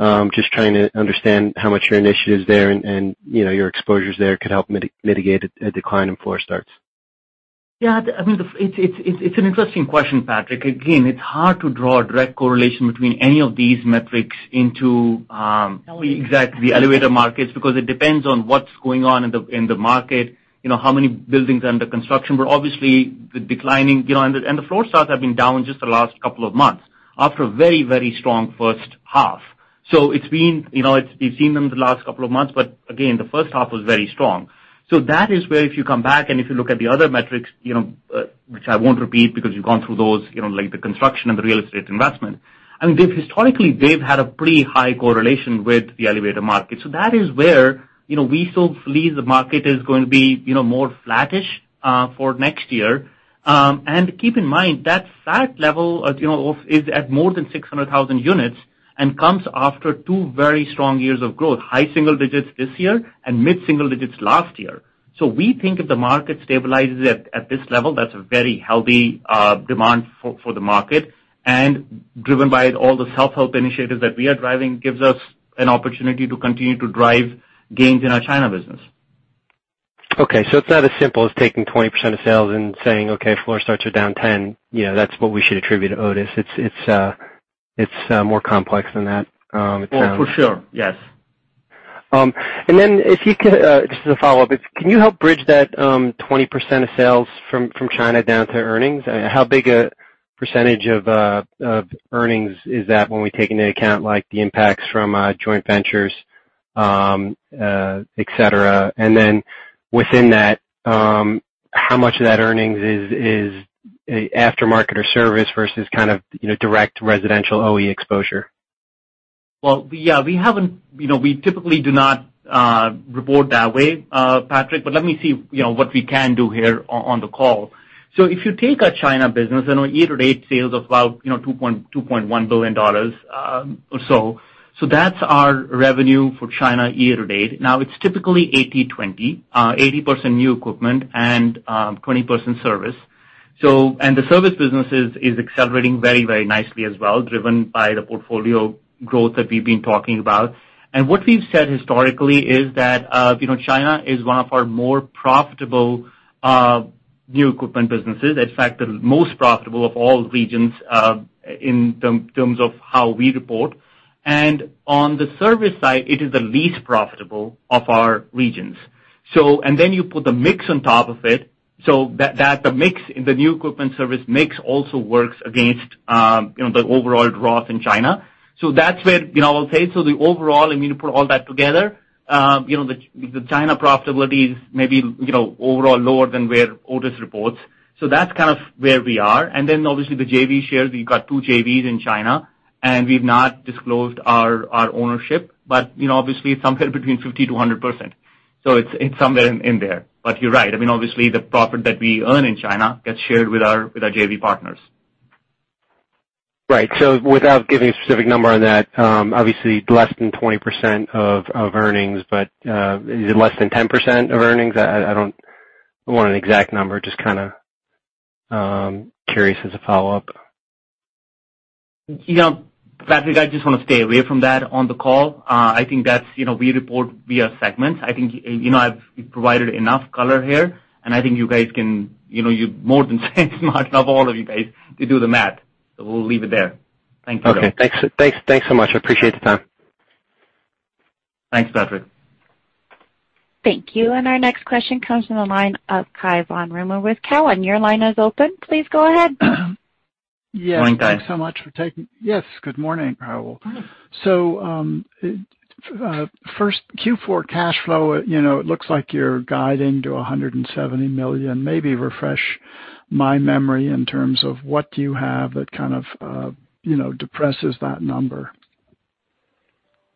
Speaker 8: Just trying to understand how much your initiatives there and your exposures there could help mitigate a decline in floor starts.
Speaker 4: It's an interesting question, Patrick. It's hard to draw a direct correlation between any of these metrics into exactly elevator markets, because it depends on what's going on in the market, how many buildings are under construction. Obviously, they're declining. The floor starts have been down just the last two months after a very strong first half. We've seen them the last 2 months, but again, the first half was very strong. That is where if you come back and if you look at the other metrics, which I won't repeat because you've gone through those, like the construction and the real estate investment, historically they've had a pretty high correlation with the elevator market. That is where we still believe the market is going to be more flattish for next year. Keep in mind that start level is at more than 600,000 units and comes after two very strong years of growth, high single digits this year and mid-single digits last year. We think if the market stabilizes at this level, that's a very healthy demand for the market, and driven by all the self-help initiatives that we are driving, gives us an opportunity to continue to drive gains in our China Business.
Speaker 8: Okay, it's not as simple as taking 20% of sales and saying, "Okay, floor starts are down 10%, that's what we should attribute to Otis." It's more complex than that it sounds.
Speaker 4: Oh, for sure. Yes.
Speaker 8: Just as a follow-up, can you help bridge that 20% of sales from China down to earnings? How big a percent of earnings is that when we take into account the impacts from joint ventures, et cetera. Within that, how much of that earnings is after-market or service versus direct residential OE exposure?
Speaker 4: We typically do not report that way, Patrick, but let me see what we can do here on the call. If you take our China business, year to date sales of about $2.1 billion or so. That's our revenue for China year to date. It's typically 80/20, 80% new equipment and 20% service. The service business is accelerating very nicely as well, driven by the portfolio growth that we've been talking about. What we've said historically is that China is one of our more profitable new equipment businesses. In fact, the most profitable of all regions in terms of how we report. On the service side, it is the least profitable of our regions. Then you put the mix on top of it, the new equipment service mix also works against the overall growth in China. That's where I'll say, so the overall, when you put all that together, the China profitability is maybe overall lower than where Otis reports. That's kind of where we are. Then obviously the JV shares, we've got two JVs in China, and we've not disclosed our ownership, but obviously it's somewhere between 50%-100%. It's somewhere in there. You're right. Obviously, the profit that we earn in China gets shared with our JV partners.
Speaker 8: Right. Without giving a specific number on that, obviously less than 20% of earnings, but is it less than 10% of earnings? I don't want an exact number. Just kind of curious as a follow-up.
Speaker 4: Patrick, I just want to stay away from that on the call. I think we report via segments. I've provided enough color here, and I think you guys can, you more than smart enough, all of you guys to do the math. We'll leave it there. Thank you.
Speaker 8: Okay. Thanks so much. I appreciate the time.
Speaker 4: Thanks, Patrick.
Speaker 1: Thank you. Our next question comes from the line of Cai von Rumohr with Cowen. Your line is open. Please go ahead.
Speaker 4: Morning, Cai.
Speaker 9: Yes, thanks so much. Yes, good morning, Rahul. First, Q4 cash flow, it looks like you're guiding to $170 million. Maybe refresh my memory in terms of what you have that kind of depresses that number?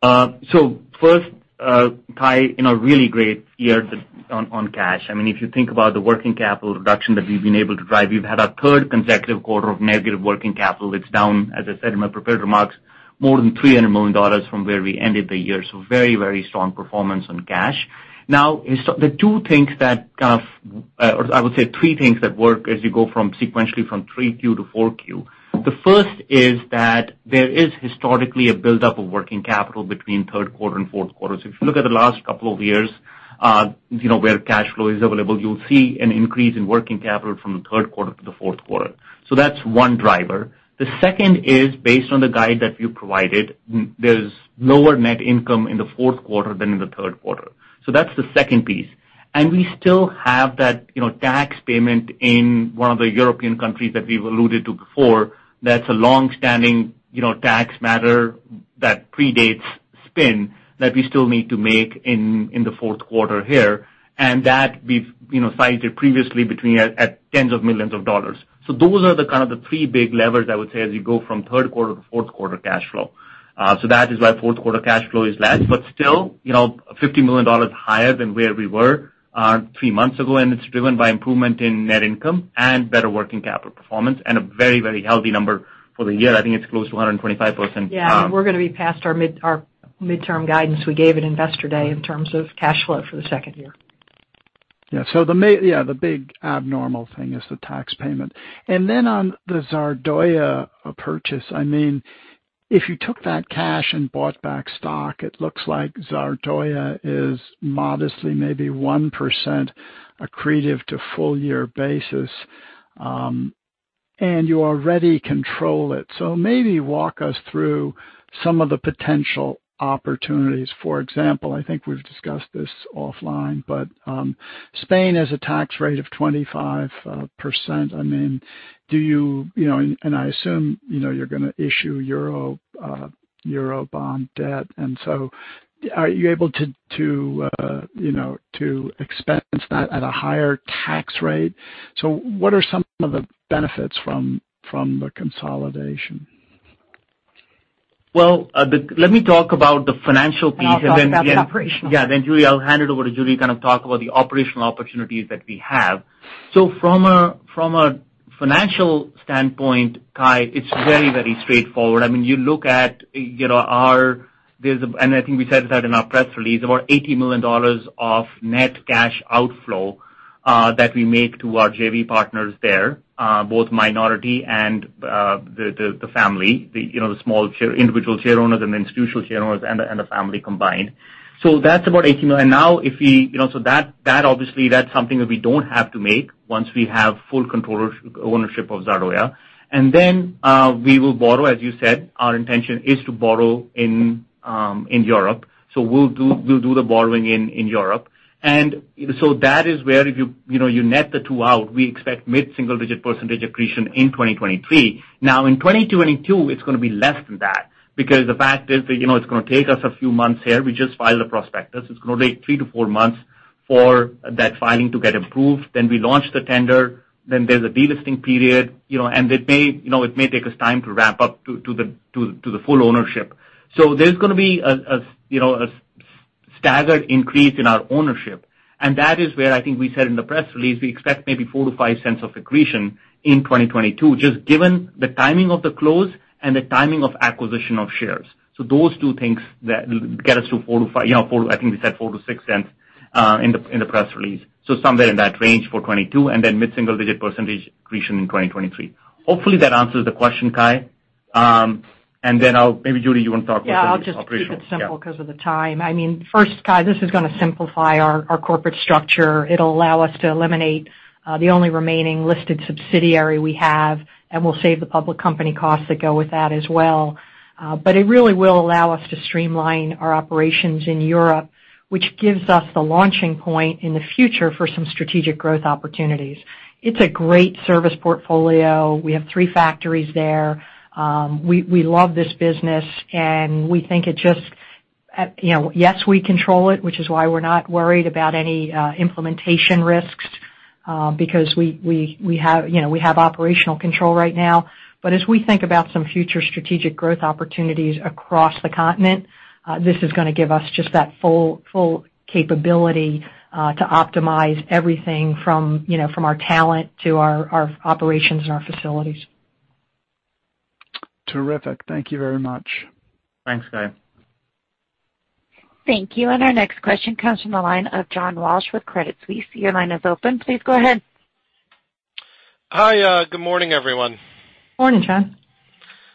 Speaker 4: First, Cai, really great year on cash. If you think about the working capital reduction that we've been able to drive, we've had our third consecutive quarter of negative working capital. It's down, as I said in my prepared remarks, more than $300 million from where we ended the year. The two things that, or I would say three things that work as you go sequentially from 3Q to 4Q. The first is that there is historically a buildup of working capital between third quarter and fourth quarter. If you look at the last couple of years where cash flow is available, you'll see an increase in working capital from the third quarter to the fourth quarter. That's one driver. The second is based on the guide that we provided, there's lower net income in the fourth quarter than in the third quarter. That's the second piece. We still have that tax payment in one of the European countries that we've alluded to before. That's a longstanding tax matter that predates spin that we still need to make in the fourth quarter here. That we've cited previously between at $10s of millions. Those are the kind of the three big levers I would say as you go from third quarter to fourth quarter cash flow. That is why fourth quarter cash flow is less, but still $50 million higher than where we were three months ago, and it's driven by improvement in net income and better working capital performance and a very healthy number for the year. I think it's close to 125%.
Speaker 3: Yeah. We're going to be past our midterm guidance we gave at Investor Day in terms of cash flow for the second year.
Speaker 9: The big abnormal thing is the tax payment. On the Zardoya purchase, if you took that cash and bought back stock, it looks like Zardoya is modestly, maybe 1% accretive to full year basis, and you already control it. Maybe walk us through some of the potential opportunities. For example, I think we've discussed this offline, Spain has a tax rate of 25%. I assume you're going to issue euro bond debt, are you able to expense that at a higher tax rate? What are some of the benefits from the consolidation?
Speaker 4: Well, let me talk about the financial piece.
Speaker 3: I'll talk about the operational.
Speaker 4: Judy Marks, I'll hand it over to Judy Marks to kind of talk about the operational opportunities that we have. From a financial standpoint, Cai, it's very straightforward. I think we said it out in our press release, about $80 million of net cash outflow that we make to our JV partners there, both minority and the family, the small individual share owners and institutional share owners, and the family combined. That's about $18 million. That obviously, that's something that we don't have to make once we have full control ownership of Zardoya. We will borrow, as you said, our intention is to borrow in Europe. We'll do the borrowing in Europe. That is where if you net the two out, we expect mid-single-digit percentage accretion in 2023. In 2022, it's going to be less than that because the fact is that it's going to take us a few months here. We just filed a prospectus. It's going to take three to four months for that filing to get approved. We launch the tender, there's a delisting period, and it may take us time to ramp up to the full ownership. There's going to be a staggered increase in our ownership, and that is where I think we said in the press release, we expect maybe $0.04-$0.05 of accretion in 2022, just given the timing of the close and the timing of acquisition of shares. Those two things that will get us to $0.04-$0.05, I think we said $0.04-$0.06 in the press release. Somewhere in that range for 2022, and then mid-single digit percent accretion in 2023. Hopefully, that answers the question, Cai. Maybe Judy, you want to talk about the operational—
Speaker 3: Yeah, I'll just keep it simple because of the time. First, Cai, this is going to simplify our corporate structure. It'll allow us to eliminate the only remaining listed subsidiary we have, and we'll save the public company costs that go with that as well. It really will allow us to streamline our operations in Europe, which gives us the launching point in the future for some strategic growth opportunities. It's a great service portfolio. We have three factories there. We love this business, and we think Yes, we control it, which is why we're not worried about any implementation risks, because we have operational control right now. As we think about some future strategic growth opportunities across the continent, this is going to give us just that full capability to optimize everything from our talent to our operations and our facilities.
Speaker 9: Terrific. Thank you very much.
Speaker 4: Thanks, Cai.
Speaker 1: Thank you. Our next question comes from the line of John Walsh with Credit Suisse. Your line is open. Please go ahead.
Speaker 10: Hi. Good morning, everyone.
Speaker 3: Morning, John.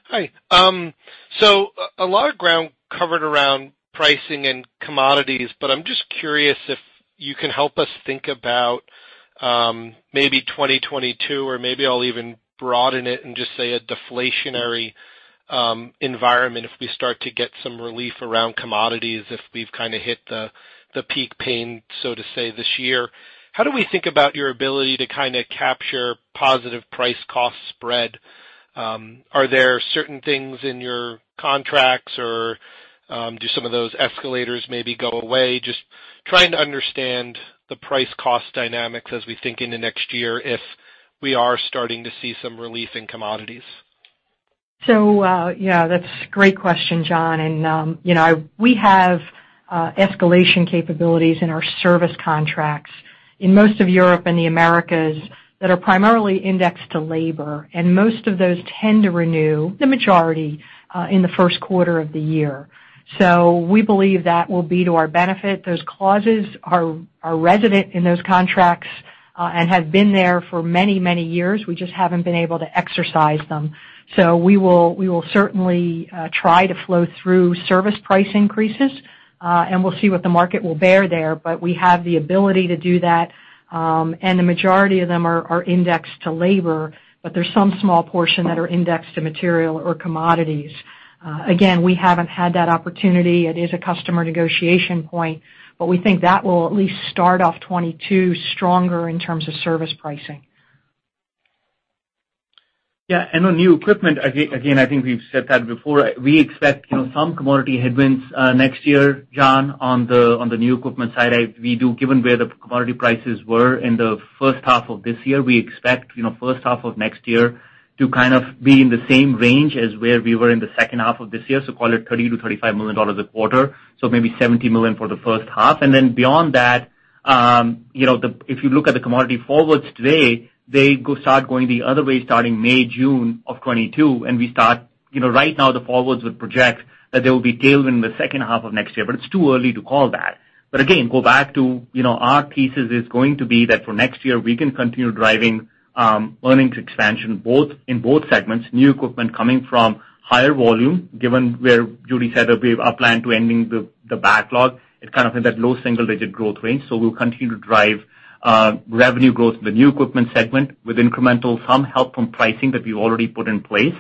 Speaker 10: Hi. A lot of ground covered around pricing and commodities. I'm just curious if you can help us think about maybe 2022, or maybe I'll even broaden it and just say a deflationary environment, if we start to get some relief around commodities, if we've kind of hit the peak pain, so to say, this year. How do we think about your ability to kind of capture positive price cost spread? Are there certain things in your contracts, or do some of those escalators maybe go away? Just trying to understand the price cost dynamics as we think into next year, if we are starting to see some relief in commodities.
Speaker 3: Yeah, that's a great question, John. We have escalation capabilities in our service contracts in most of Europe and the Americas that are primarily indexed to labor, and most of those tend to renew, the majority, in the first quarter of the year. We believe that will be to our benefit. Those clauses are resident in those contracts, and have been there for many, many years. We just haven't been able to exercise them. We will certainly try to flow through service price increases, and we'll see what the market will bear there. We have the ability to do that, and the majority of them are indexed to labor, but there's some small portion that are indexed to material or commodities. Again, we haven't had that opportunity. It is a customer negotiation point, but we think that will at least start off 2022 stronger in terms of service pricing.
Speaker 4: Yeah, on new equipment, again, I think we've said that before. We expect some commodity headwinds next year, John, on the new equipment side. Given where the commodity prices were in the first half of this year, we expect first half of next year to kind of be in the same range as where we were in the second half of this year. Call it $30 million-$35 million a quarter, so maybe $70 million for the first half. Then beyond that, if you look at the commodity forwards today, they start going the other way starting May, June of 2022. Right now, the forwards would project that there will be tailwind in the second half of next year, but it's too early to call that. Again, go back to our thesis is going to be that for next year, we can continue driving earnings expansion, in both segments, new equipment coming from higher volume, given where Judy said our plan to ending the backlog. It's kind of in that low single-digit growth range. We'll continue to drive revenue growth in the new equipment segment with incremental, some help from pricing that we've already put in place,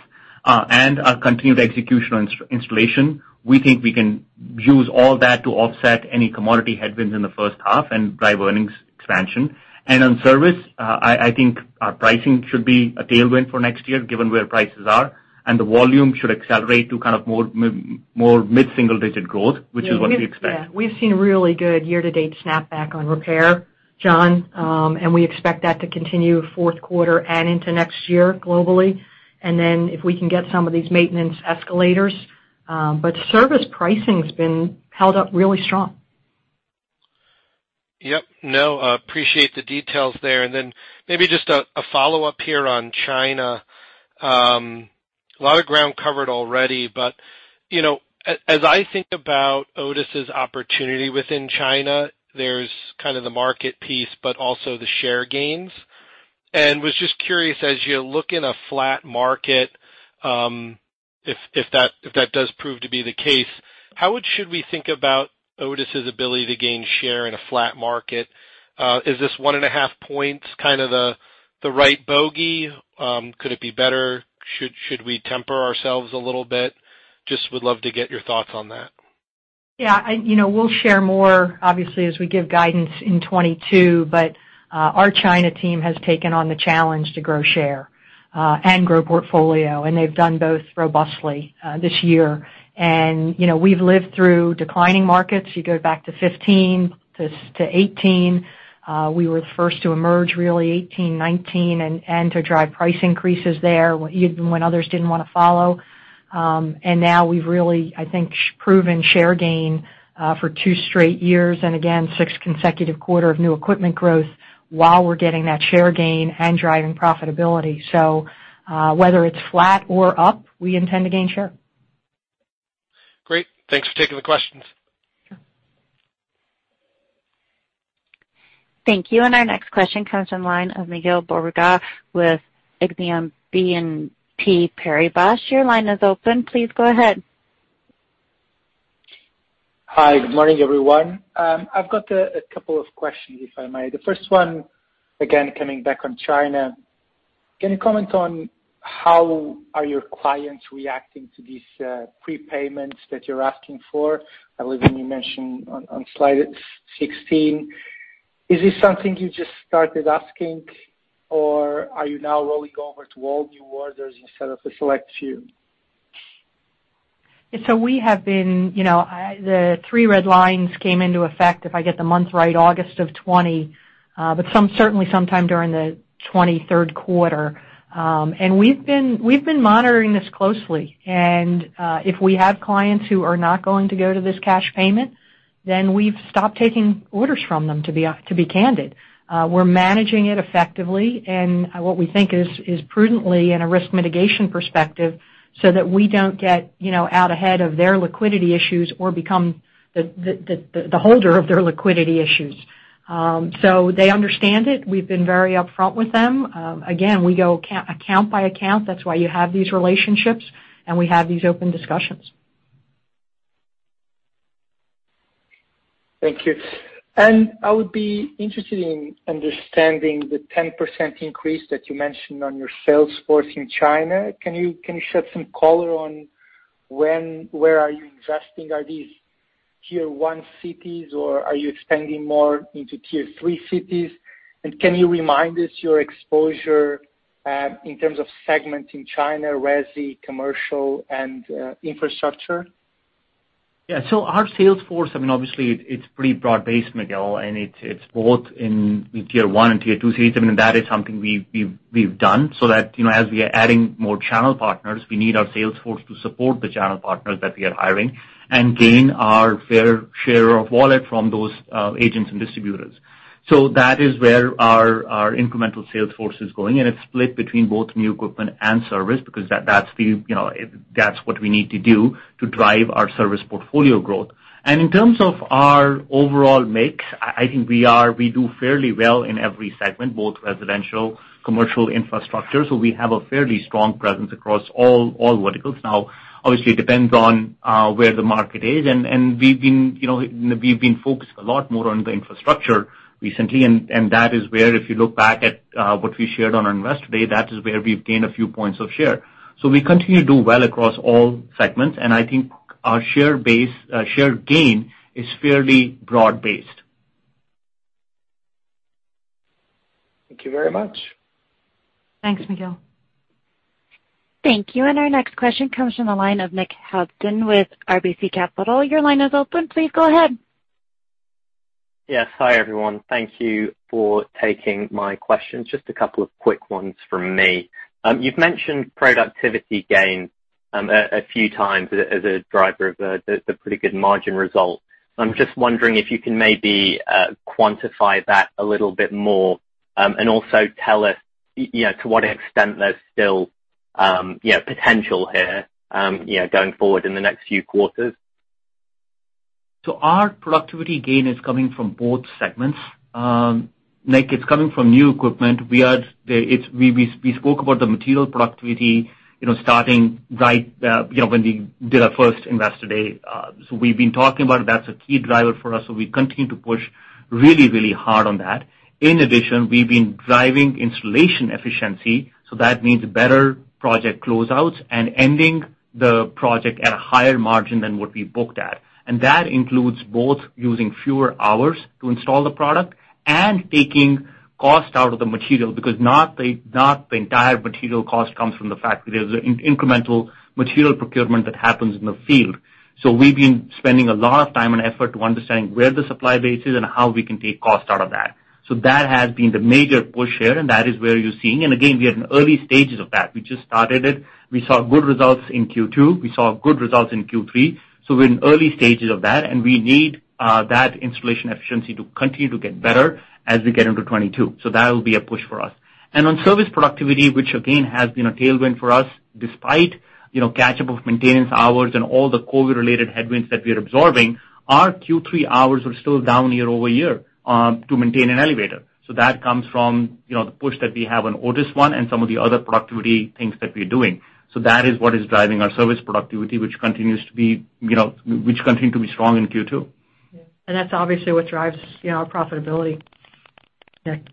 Speaker 4: and our continued execution on installation. We think we can use all that to offset any commodity headwinds in the first half and drive earnings expansion. On service, I think our pricing should be a tailwind for next year, given where prices are, and the volume should accelerate to kind of more mid-single digit growth, which is what we expect.
Speaker 3: Yeah. We've seen really good year-to-date snapback on repair, John. We expect that to continue fourth quarter and into next year globally. If we can get some of these maintenance escalators. Service pricing's been held up really strong.
Speaker 10: Yep. No, appreciate the details there. Then maybe just a follow-up here on China. A lot of ground covered already. As I think about Otis' opportunity within China, there's kind of the market piece, but also the share gains. Was just curious, as you look in a flat market, if that does prove to be the case, how should we think about Otis' ability to gain share in a flat market? Is this 1.5 points kind of the right bogey? Could it be better? Should we temper ourselves a little bit? Just would love to get your thoughts on that.
Speaker 3: We'll share more, obviously, as we give guidance in 2022. Our China team has taken on the challenge to grow share and grow portfolio, and they've done both robustly this year. We've lived through declining markets. You go back to 2015 to 2018, we were the first to emerge, really 2018, 2019, and to drive price increases there, even when others didn't want to follow. Now we've really, I think, proven share gain for two straight years, and again, six consecutive quarter of new equipment growth while we're getting that share gain and driving profitability. Whether it's flat or up, we intend to gain share.
Speaker 10: Great. Thanks for taking the questions.
Speaker 3: Sure.
Speaker 1: Thank you. Our next question comes from line of Miguel Borrega with Exane BNP Paribas. Your line is open. Please go ahead.
Speaker 11: Hi. Good morning, everyone. I've got a couple of questions, if I may. The first one, again, coming back on China. Can you comment on how are your clients reacting to these prepayments that you're asking for? I believe you mentioned on slide 16. Is this something you just started asking or are you now rolling over to all new orders instead of a select few?
Speaker 3: The three red lines came into effect, if I get the month right, August of 2020, but certainly sometime during the 2020 third quarter. We've been monitoring this closely. If we have clients who are not going to go to this cash payment, we've stopped taking orders from them, to be candid. We're managing it effectively and what we think is prudently in a risk mitigation perspective, so that we don't get out ahead of their liquidity issues or become the holder of their liquidity issues. They understand it. We've been very upfront with them. Again, we go account by account. That's why you have these relationships, and we have these open discussions.
Speaker 11: Thank you. I would be interested in understanding the 10% increase that you mentioned on your sales force in China. Can you shed some color on where are you investing? Are these tier 1 cities, or are you expanding more into tier 3 cities? Can you remind us your exposure in terms of segment in China, resi, commercial, and infrastructure?
Speaker 4: Yeah. Our sales force, obviously, it's pretty broad-based, Miguel, and it's both in tier 1 and tier 2 cities. That is something we've done, so that as we are adding more channel partners, we need our sales force to support the channel partners that we are hiring and gain our fair share of wallet from those agents and distributors. That is where our incremental sales force is going, and it's split between both new equipment and service, because that's what we need to do to drive our service portfolio growth. In terms of our overall mix, I think we do fairly well in every segment, both residential, commercial, infrastructure. We have a fairly strong presence across all verticals. Now, obviously, it depends on where the market is. We've been focused a lot more on the infrastructure recently, and that is where, if you look back at what we shared on our Investor Day, that is where we've gained a few points of share. We continue to do well across all segments, and I think our share gain is fairly broad-based.
Speaker 11: Thank you very much.
Speaker 3: Thanks, Miguel.
Speaker 1: Thank you. Our next question comes from the line of Nick Housden with RBC Capital. Your line is open. Please go ahead.
Speaker 12: Yes. Hi, everyone. Thank you for taking my questions. Just a couple of quick ones from me. You've mentioned productivity gains a few times as a driver of the pretty good margin result. I'm just wondering if you can maybe quantify that a little bit more, and also tell us to what extent there's still potential here going forward in the next few quarters.
Speaker 4: Our productivity gain is coming from both segments. Nick, it's coming from new equipment. We spoke about the material productivity starting right when we did our first Investor Day. We've been talking about that's a key driver for us, so we continue to push really, really hard on that. In addition, we've been driving installation efficiency, so that means better project closeouts and ending the project at a higher margin than what we booked at. That includes both using fewer hours to install the product and taking cost out of the material, because not the entire material cost comes from the factory. There's incremental material procurement that happens in the field. We've been spending a lot of time and effort to understanding where the supply base is and how we can take cost out of that. That has been the major push here, and that is where you're seeing, again, we are in early stages of that. We just started it. We saw good results in Q2. We saw good results in Q3. We're in early stages of that, and we need that installation efficiency to continue to get better as we get into 2022. That will be a push for us. On service productivity, which again, has been a tailwind for us despite catch-up of maintenance hours and all the COVID-related headwinds that we are absorbing, our Q3 hours are still down year-over-year to maintain an elevator. That comes from the push that we have on Otis ONE and some of the other productivity things that we're doing. That is what is driving our service productivity, which continued to be strong in Q2.
Speaker 3: Yeah. That's obviously what drives our profitability. Nick.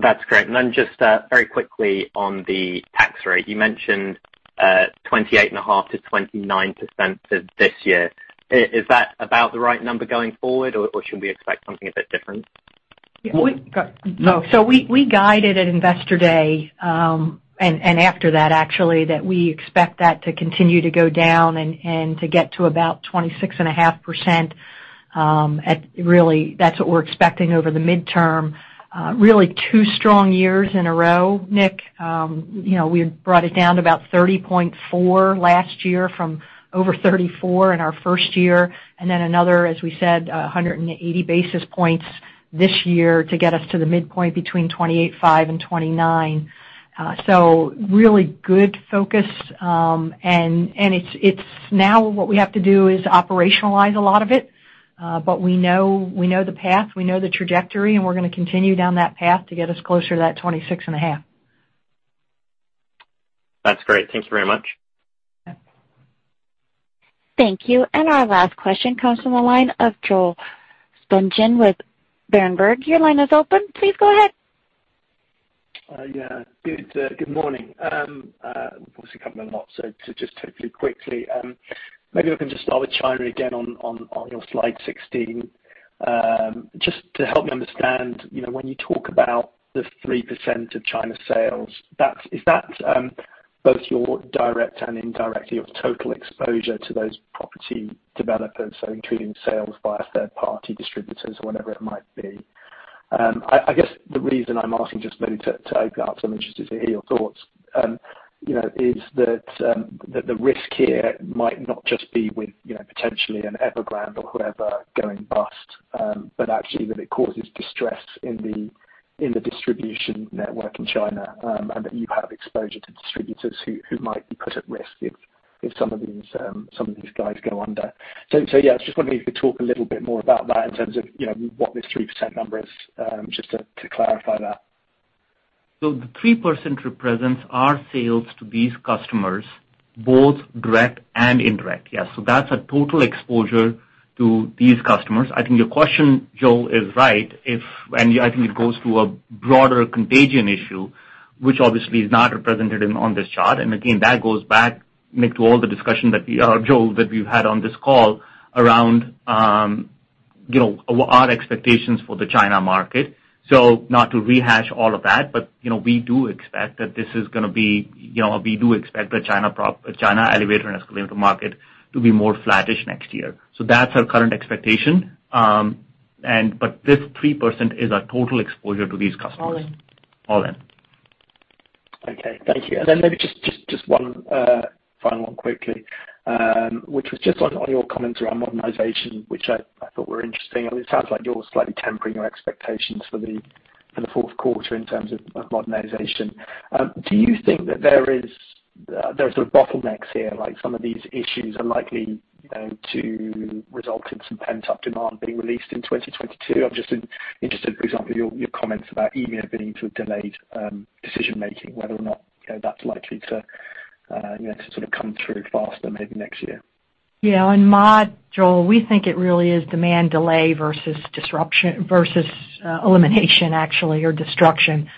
Speaker 12: That's great. Just very quickly on the tax rate, you mentioned 28.5%-29% for this year. Is that about the right number going forward, or should we expect something a bit different?
Speaker 3: We guided at Investor Day, and after that actually, that we expect that to continue to go down and to get to about 26.5%. Really, that's what we're expecting over the midterm. Really two strong years in a row, Nick. We had brought it down to about 30.4 last year from over 34 in our first year, then another, as we said, 180 basis points this year to get us to the midpoint between 28.5 and 29. Really good focus. Now what we have to do is operationalize a lot of it. We know the path, we know the trajectory, and we're going to continue down that path to get us closer to that 26.5.
Speaker 12: That's great. Thank you very much.
Speaker 3: Yeah.
Speaker 1: Thank you. Our last question comes from the line of Joel Spungin with Berenberg. Your line is open. Please go ahead.
Speaker 13: Yeah. Good morning. Obviously covering a lot, so to just totally quickly, maybe we can just start with China again on your slide 16. Just to help me understand, when you talk about the 3% of China sales, is that both your direct and indirect, your total exposure to those property developers, so including sales via third-party distributors or whatever it might be? I guess the reason I'm asking just maybe to open it up, so I'm interested to hear your thoughts, is that the risk here might not just be with potentially an Evergrande or whoever going bust, but actually that it causes distress in the distribution network in China, and that you have exposure to distributors who might be put at risk if some of these guys go under. Yeah, I just wonder if you could talk a little bit more about that in terms of what this 3% number is, just to clarify that.
Speaker 4: The 3% represents our sales to these customers, both direct and indirect. That's a total exposure to these customers. I think your question, Joel, is right, and I think it goes to a broader contagion issue, which obviously is not represented on this chart. Again, that goes back, Nick, to all the discussion, Joel, that we've had on this call around our expectations for the China market. Not to rehash all of that, but we do expect the China elevator and escalator market to be more flattish next year. That's our current expectation. This 3% is our total exposure to these customers.
Speaker 3: All in.
Speaker 4: All in.
Speaker 13: Okay. Thank you. Maybe just one final one quickly, which was just on your comments around modernization, which I thought were interesting. I mean, it sounds like you're slightly tempering your expectations for the fourth quarter in terms of modernization. Do you think that there are sort of bottlenecks here, like some of these issues are likely to result in some pent-up demand being released in 2022? I'm just interested, for example, your comments about EMEA being sort of delayed decision-making, whether or not that's likely to sort of come through faster maybe next year.
Speaker 3: On mod, Joel, we think it really is demand delay versus disruption, versus elimination actually or destruction.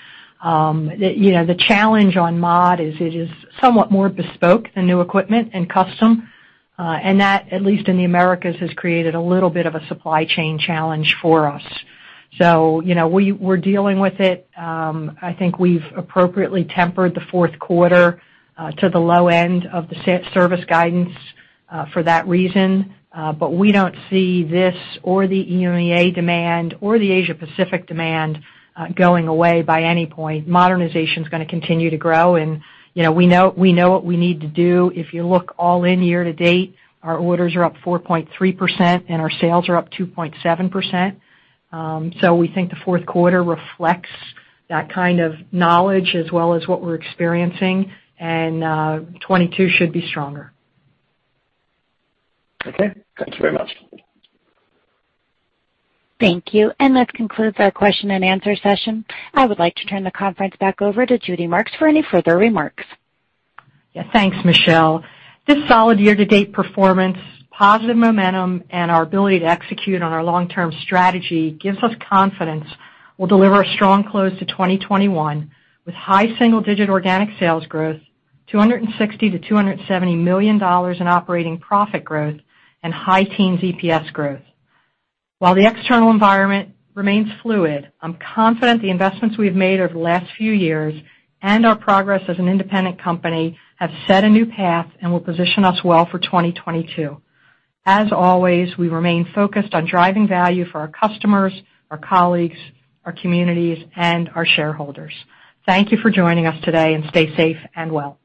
Speaker 3: The challenge on mod is it is somewhat more bespoke than new equipment and custom. That, at least in the Americas, has created a little bit of a supply chain challenge for us. We're dealing with it. I think we've appropriately tempered the fourth quarter to the low end of the service guidance for that reason. We don't see this or the EMEA demand or the Asia-Pacific demand going away by any point. Modernization's going to continue to grow, and we know what we need to do. If you look all in year to date, our orders are up 4.3% and our sales are up 2.7%. We think the fourth quarter reflects that kind of knowledge as well as what we're experiencing, and 2022 should be stronger.
Speaker 13: Okay. Thank you very much.
Speaker 1: Thank you. And that concludes our question and answer session. I would like to turn the conference back over to Judy Marks for any further remarks.
Speaker 3: Thanks, Michelle. This solid year-to-date performance, positive momentum, and our ability to execute on our long-term strategy gives us confidence we'll deliver a strong close to 2021 with high single-digit organic sales growth, $260 million-$270 million in operating profit growth, and high teens EPS growth. While the external environment remains fluid, I'm confident the investments we've made over the last few years and our progress as an independent company have set a new path and will position us well for 2022. As always, we remain focused on driving value for our customers, our colleagues, our communities, and our shareholders. Thank you for joining us today, and stay safe and well.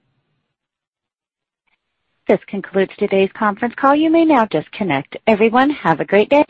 Speaker 1: This concludes today's conference call. You may now disconnect. Everyone, have a great day.